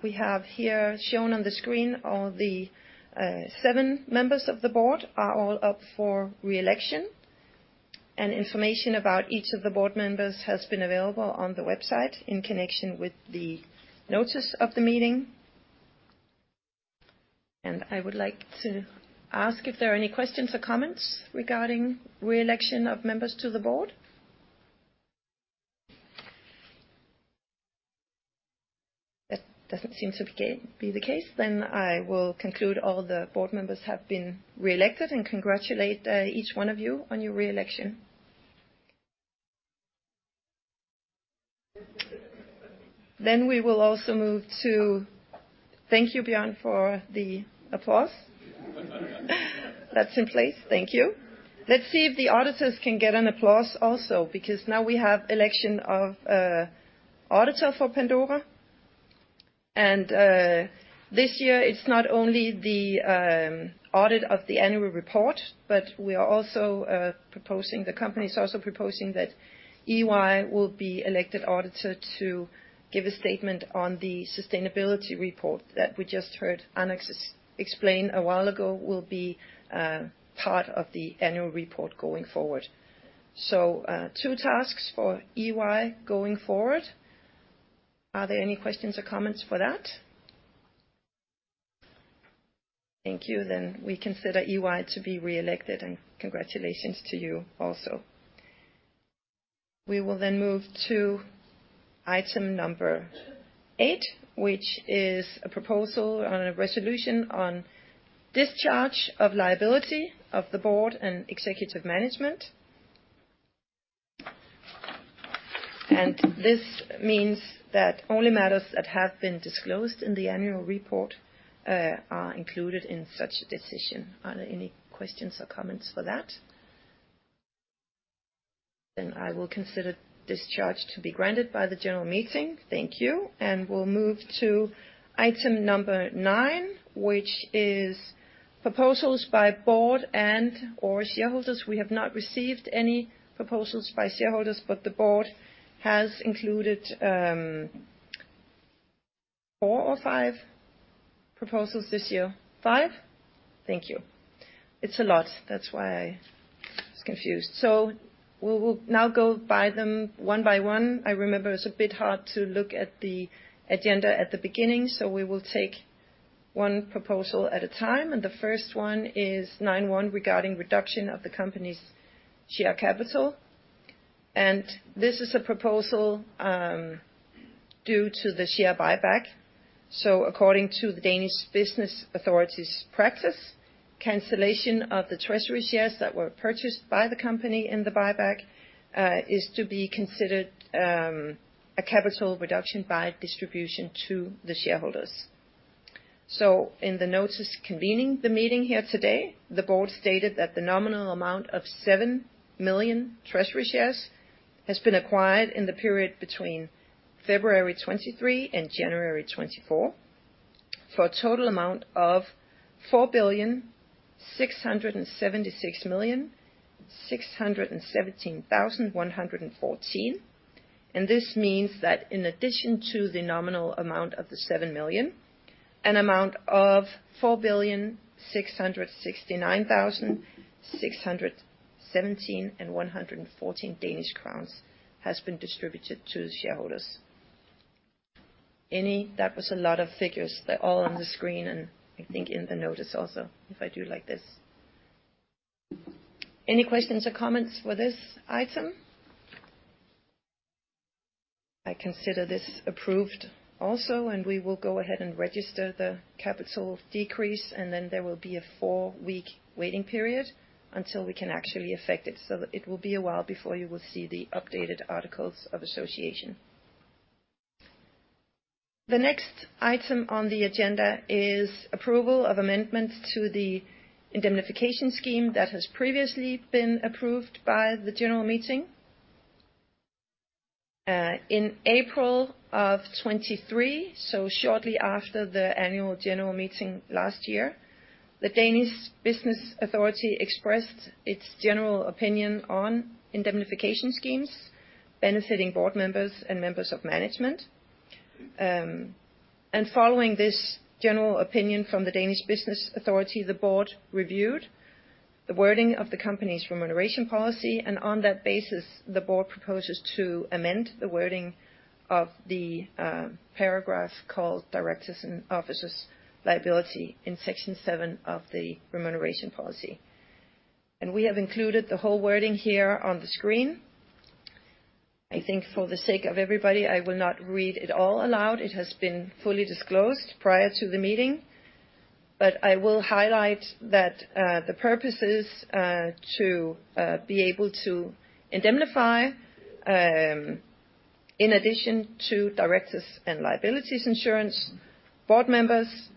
We have here, shown on the screen, all the seven members of the board are all up for re-election, and information about each of the board members has been available on the website in connection with the notice of the meeting. I would like to ask if there are any questions or comments regarding re-election of members to the board? That doesn't seem to be the case, then I will conclude all the board members have been re-elected and congratulate each one of you on your re-election. Then we will also move to... Thank you, Bjørn, for the applause. That's in place. Thank you. Let's see if the auditors can get an applause also, because now we have election of auditor for Pandora. This year it's not only the audit of the annual report, but we are also proposing the company is also proposing that EY will be elected auditor to give a statement on the sustainability report that we just heard Alex explain a while ago, will be part of the annual report going forward. So two tasks for EY going forward. Are there any questions or comments for that? Thank you, then we consider EY to be re-elected, and congratulations to you also. We will then move to item number 8, which is a proposal on a resolution on discharge of liability of the board and executive management. This means that only matters that have been disclosed in the annual report are included in such a decision. Are there any questions or comments for that? Then I will consider discharge to be granted by the annual meeting. Thank you. We'll move to item number 9, which is proposals by board and/or shareholders. We have not received any proposals by shareholders, but the board has included 4 or 5 proposals this year. 5? Thank you. It's a lot, that's why I was confused. We will now go by them one by one. I remember it's a bit hard to look at the agenda at the beginning, so we will take one proposal at a time, and the first one is 9.1, regarding reduction of the company's share capital. And this is a proposal due to the share buyback. So according to the Danish Business Authority's practice, cancellation of the treasury shares that were purchased by the company in the buyback is to be considered a capital reduction by distribution to the shareholders. So in the notice convening the meeting here today, the board stated that the nominal amount of 7 million treasury shares has been acquired in the period between February 2023 and January 2024, for a total amount of 4,676,617,114. This means that in addition to the nominal amount of 7 million, an amount of 4,669,617,114 Danish crowns has been distributed to the shareholders. Any... That was a lot of figures. They're all on the screen, and I think in the notice also, if I do like this. Any questions or comments for this item? I consider this approved also, and we will go ahead and register the capital decrease, and then there will be a four-week waiting period until we can actually affect it. So it will be a while before you will see the updated articles of association. The next item on the agenda is approval of amendments to the indemnification scheme that has previously been approved by the annual meeting. In April of 2023, so shortly after the annual general meeting last year, the Danish Business Authority expressed its general opinion on indemnification schemes benefiting board members and members of management. And following this general opinion from the Danish Business Authority, the board reviewed the wording of the company's remuneration policy, and on that basis, the board proposes to amend the wording of the paragraph called Directors and Officers Liability in Section seven of the Remuneration Policy. And we have included the whole wording here on the screen. I think for the sake of everybody, I will not read it all aloud. It has been fully disclosed prior to the meeting, but I will highlight that, the purpose is, to, be able to indemnify, in addition to directors and liabilities insurance, board members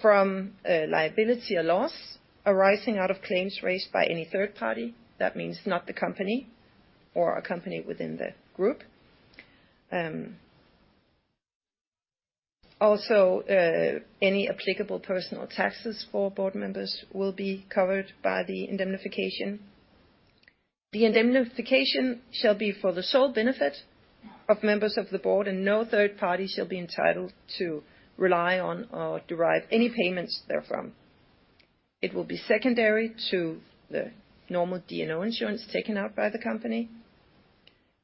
from, liability or loss arising out of claims raised by any third party. That means not the company or a company within the group. Also, any applicable personal taxes for board members will be covered by the indemnification. The indemnification shall be for the sole benefit of members of the board, and no third party shall be entitled to rely on or derive any payments therefrom. It will be secondary to the normal D&O insurance taken out by the company,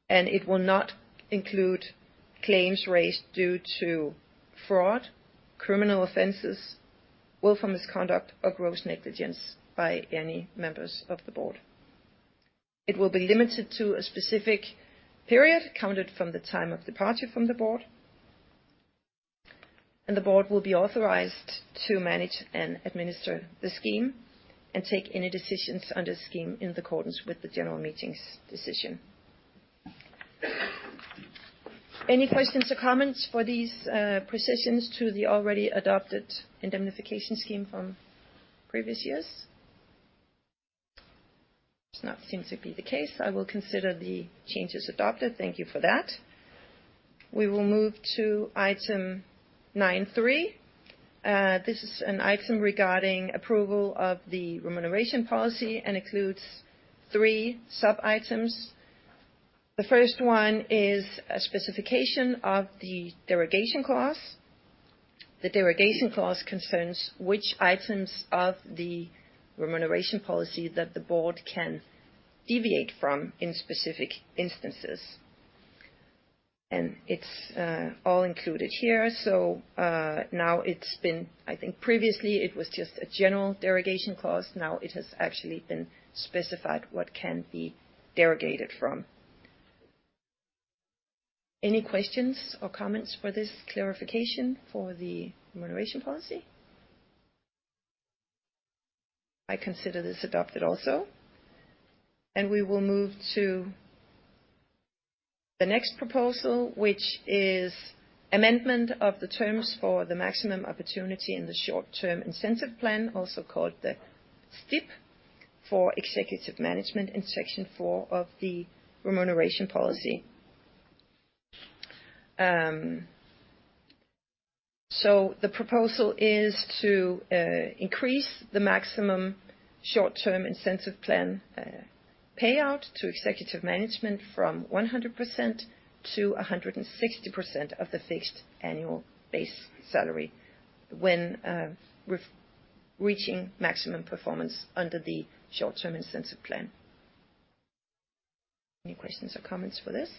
and it will not include claims raised due to fraud, criminal offenses, willful misconduct, or gross negligence by any members of the board. It will be limited to a specific period, counted from the time of departure from the board. And the board will be authorized to manage and administer the scheme, and take any decisions under the scheme in accordance with the general meeting's decision. Any questions or comments for these precisions to the already adopted indemnification scheme from previous years?... Does not seem to be the case. I will consider the changes adopted. Thank you for that. We will move to item 9.3. This is an item regarding approval of the remuneration policy and includes three sub-items. The first one is a specification of the derogation clause. The derogation clause concerns which items of the remuneration policy that the board can deviate from in specific instances. And it's all included here. So, now it's been, I think previously it was just a general derogation clause. Now it has actually been specified what can be derogated from. Any questions or comments for this clarification for the remuneration policy? I consider this adopted also, and we will move to the next proposal, which is amendment of the terms for the maximum opportunity in the short-term incentive plan, also called the STIP, for executive management in section four of the remuneration policy. So the proposal is to increase the maximum short-term incentive plan payout to executive management from 100% to 160% of the fixed annual base salary when we're reaching maximum performance under the short-term incentive plan. Any questions or comments for this?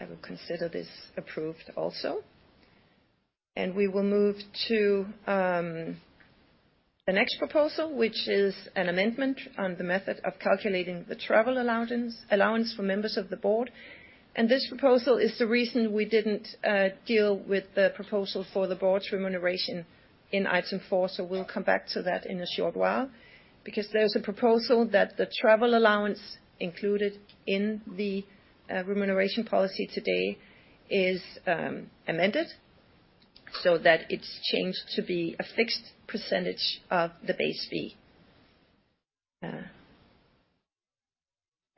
I will consider this approved also, and we will move to the next proposal, which is an amendment on the method of calculating the travel allowance, allowance for members of the board, and this proposal is the reason we didn't deal with the proposal for the board's remuneration in item four. So we'll come back to that in a short while, because there's a proposal that the travel allowance included in the remuneration policy today is amended, so that it's changed to be a fixed percentage of the base fee.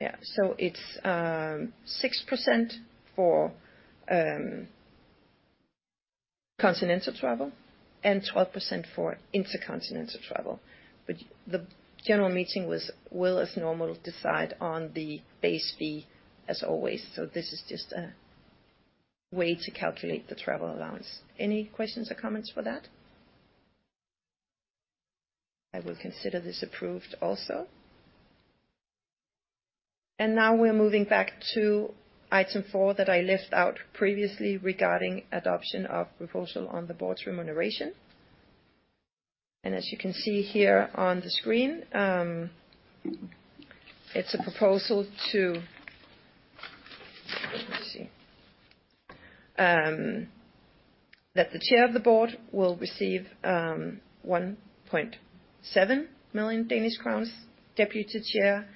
Yeah. So it's six percent for continental travel and twelve percent for intercontinental travel. But the general meeting will, as normal, decide on the base fee as always. So this is just a way to calculate the travel allowance. Any questions or comments for that? I will consider this approved also. Now we're moving back to item four that I left out previously regarding adoption of proposal on the Board's remuneration. As you can see here on the screen, it's a proposal to, let's see, that the Chair of the Board will receive 1.7 million Danish crowns, Deputy Chair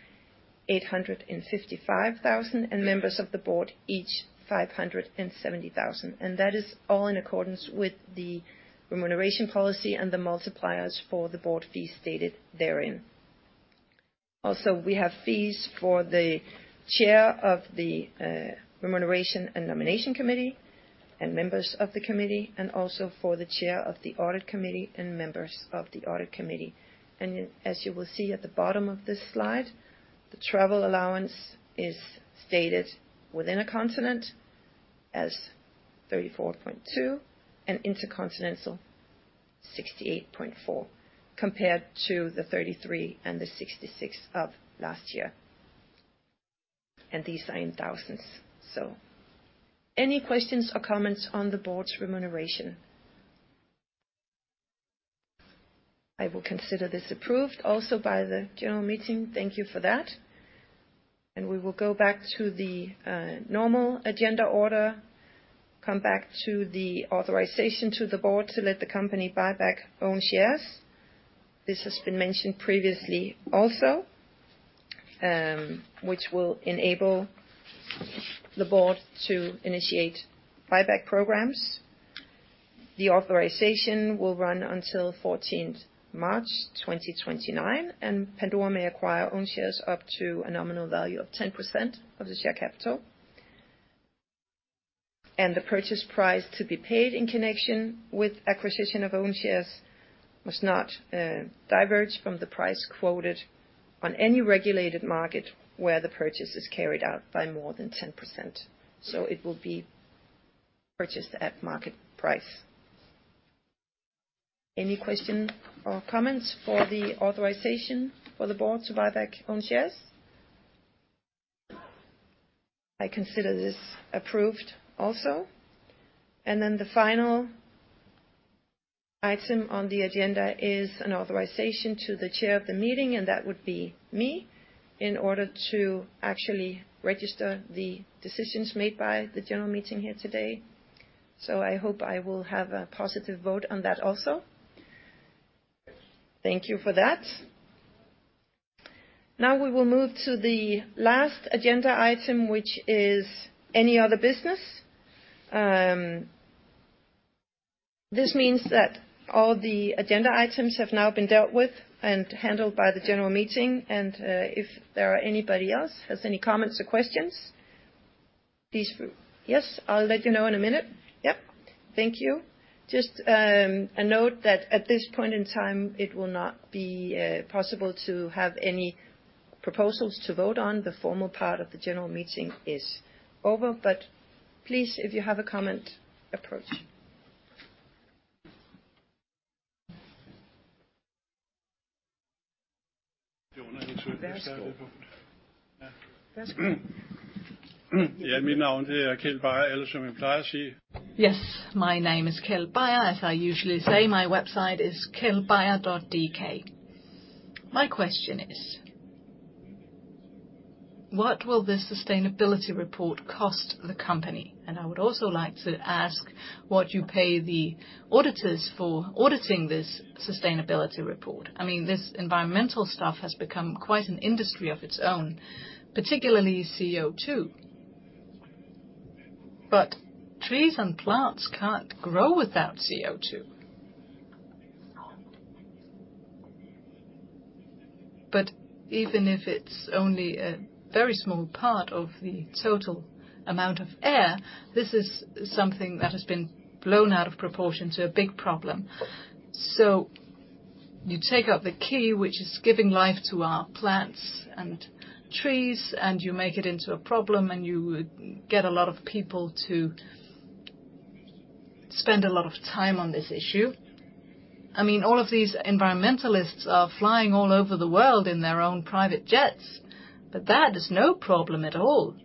855,000, and members of the Board, each 570,000. That is all in accordance with the remuneration policy and the multipliers for the Board fee stated therein. Also, we have fees for the Chair of the Remuneration and Nomination Committee and members of the committee, and also for the Chair of the Audit Committee and members of the Audit Committee. As you will see at the bottom of this slide, the travel allowance is stated within a continent as 34.2 and intercontinental, 68.4 compared to the 33,000 and the 66,000 of last year. These are in thousands. So any questions or comments on the board's remuneration? I will consider this approved also by the general meeting. Thank you for that, and we will go back to the normal agenda order. Come back to the authorization to the board to let the company buy back own shares. This has been mentioned previously also, which will enable the board to initiate buyback programs. The authorization will run until 14th March 2029, and Pandora may acquire own shares up to a nominal value of 10% of the share capital. The purchase price to be paid in connection with acquisition of own shares must not diverge from the price quoted on any regulated market where the purchase is carried out by more than 10%. So it will be purchased at market price. Any questions or comments for the authorization for the board to buy back own shares? I consider this approved also. And then the final item on the agenda is an authorization to the chair of the meeting, and that would be me, in order to actually register the decisions made by the general meeting here today. So I hope I will have a positive vote on that also. Thank you for that. Now, we will move to the last agenda item, which is any other business. This means that all the agenda items have now been dealt with and handled by the general meeting, and if there are anybody else has any comments or questions, please. Yes, I'll let you know in a minute. Yep, thank you. Just a note that at this point in time, it will not be possible to have any proposals to vote on. The formal part of the general meeting is over, but please, if you have a comment, approach. Yes, my name is Keld Beyer. As I usually say, my website is kjeldbeyer.dk. My question is: what will the sustainability report cost the company? And I would also like to ask what you pay the auditors for auditing this sustainability report. I mean, this environmental stuff has become quite an industry of its own, particularly CO₂. But trees and plants can't grow without CO₂. But even if it's only a very small part of the total amount of air, this is something that has been blown out of proportion to a big problem. So you take out the key, which is giving life to our plants and trees, and you make it into a problem, and you get a lot of people to spend a lot of time on this issue. I mean, all of these environmentalists are flying all over the world in their own private jets, but that is no problem at all.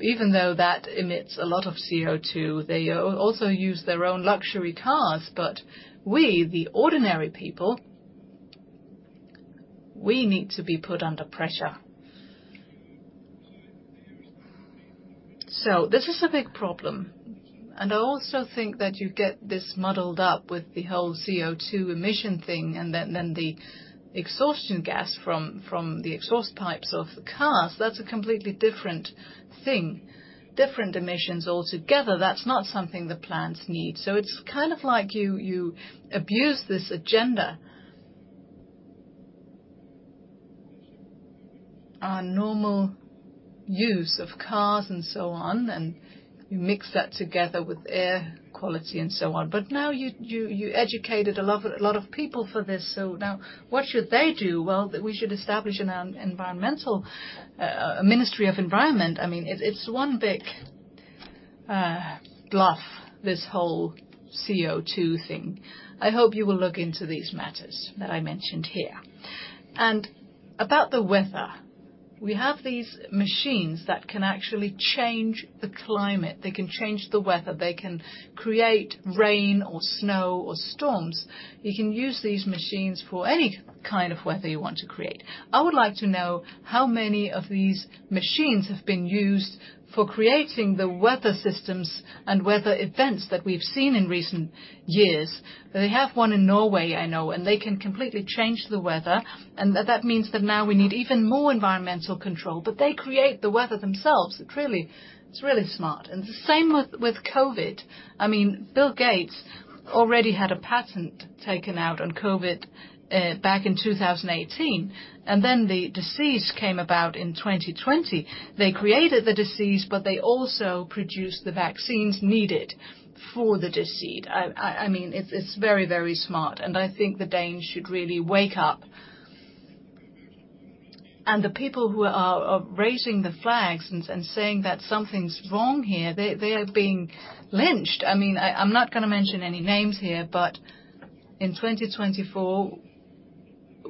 Even though that emits a lot of CO₂, they also use their own luxury cars, but we, the ordinary people, we need to be put under pressure. So this is a big problem, and I also think that you get this muddled up with the whole CO₂ emission thing, and then the exhaust gas from the exhaust pipes of the cars, that's a completely different thing, different emissions altogether. That's not something the plants need. So it's kind of like you abuse this agenda. Our normal use of cars and so on, and you mix that together with air quality and so on. But now you educated a lot of people for this, so now what should they do? Well, we should establish a ministry of environment. I mean, it's one big bluff, this whole CO₂ thing. I hope you will look into these matters that I mentioned here. And about the weather, we have these machines that can actually change the climate. They can change the weather. They can create rain or snow or storms. You can use these machines for any kind of weather you want to create. I would like to know how many of these machines have been used for creating the weather systems and weather events that we've seen in recent years. They have one in Norway, I know, and they can completely change the weather, and that means that now we need even more environmental control, but they create the weather themselves. It really, it's really smart. And the same with COVID. I mean, Bill Gates already had a patent taken out on COVID back in 2018, and then the disease came about in 2020. They created the disease, but they also produced the vaccines needed for the disease. I mean, it's very smart, and I think the Danes should really wake up. And the people who are raising the flags and saying that something's wrong here, they are being lynched. I mean, I'm not gonna mention any names here, but in 2024,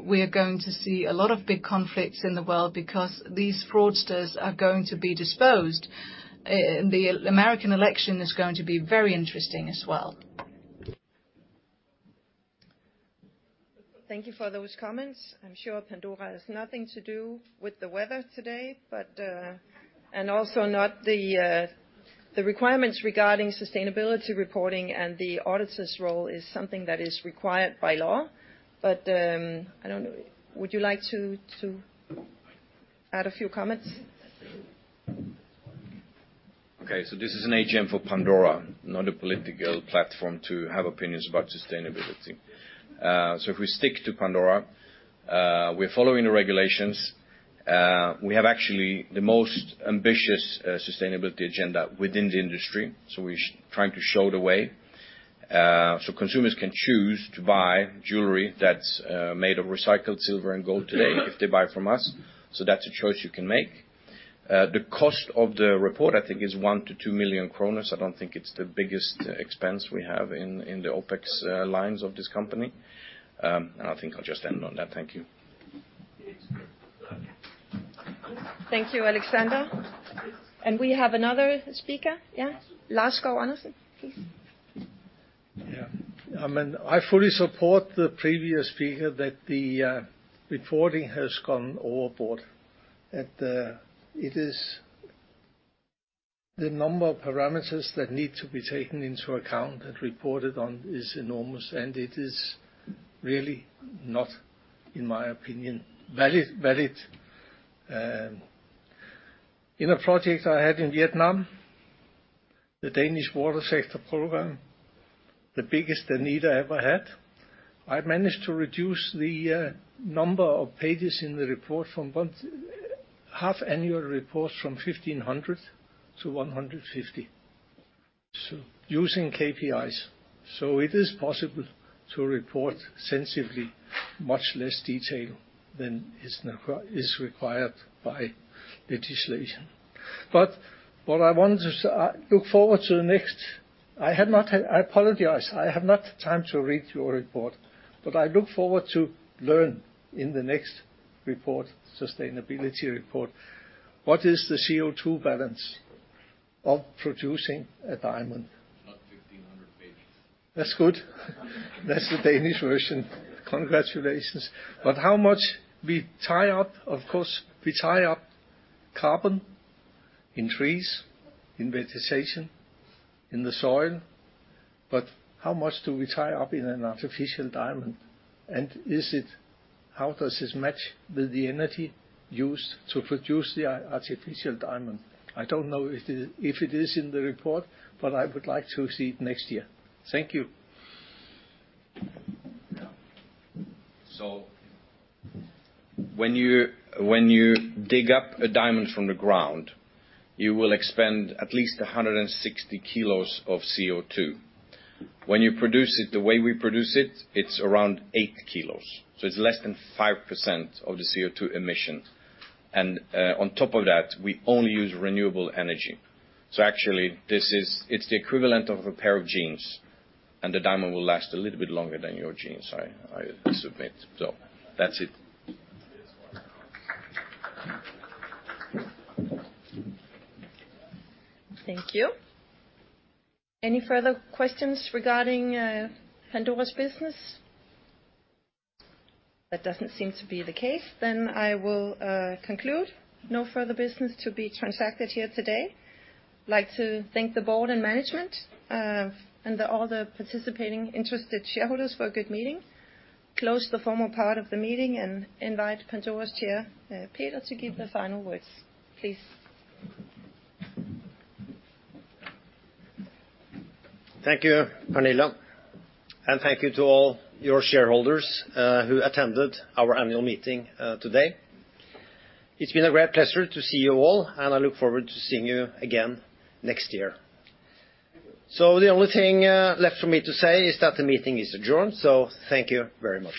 we're going to see a lot of big conflicts in the world because these fraudsters are going to be disposed. The American election is going to be very interesting as well. Thank you for those comments. I'm sure Pandora has nothing to do with the weather today, but and also not the the requirements regarding sustainability reporting and the auditor's role is something that is required by law. But I don't know. Would you like to add a few comments? Okay, so this is an AGM for Pandora, not a political platform to have opinions about sustainability. So if we stick to Pandora, we're following the regulations. We have actually the most ambitious sustainability agenda within the industry, so we're trying to show the way. So consumers can choose to buy jewelry that's made of recycled silver and gold today if they buy from us, so that's a choice you can make. The cost of the report, I think, is 1 million-2 million kroner. I don't think it's the biggest expense we have in the OpEx lines of this company. And I think I'll just end on that. Thank you. Thank you, Alexander. We have another speaker. Yeah. Lars Skov Andersen, please. Yeah. I mean, I fully support the previous speaker that the reporting has gone overboard, that it is the number of parameters that need to be taken into account and reported on is enormous, and it is really not, in my opinion, valid. In a project I had in Vietnam, the Danish Water Sector Program, the biggest Danida ever had, I managed to reduce the number of pages in the half-annual report from 1500 to 150. So using KPIs, so it is possible to report sensibly, much less detail than is required by legislation. But what I wanted to say, I look forward to the next... I apologize, I have not time to read your report, but I look forward to learn in the next report, sustainability report, what is the CO2 balance of producing a diamond? That's good. That's the Danish version. Congratulations. But how much we tie up? Of course, we tie up carbon in trees, in vegetation, in the soil, but how much do we tie up in an artificial diamond? And is it, how does this match with the energy used to produce the artificial diamond? I don't know if it, if it is in the report, but I would like to see it next year. Thank you. So when you, when you dig up a diamond from the ground, you will expend at least 160 kilos of CO2. When you produce it, the way we produce it, it's around 8 kilos, so it's less than 5% of the CO2 emission. And on top of that, we only use renewable energy. So actually, this is the equivalent of a pair of jeans, and the diamond will last a little bit longer than your jeans, I submit. So that's it. Thank you. Any further questions regarding Pandora's business? That doesn't seem to be the case, then I will conclude. No further business to be transacted here today. I'd like to thank the board and management, and all the participating interested shareholders for a good meeting. Close the formal part of the meeting, and invite Pandora's chair, Peter, to give the final words, please. Thank you, Pernille, and thank you to all your shareholders, who attended our annual meeting, today. It's been a great pleasure to see you all, and I look forward to seeing you again next year. So the only thing, left for me to say is that the meeting is adjourned, so thank you very much.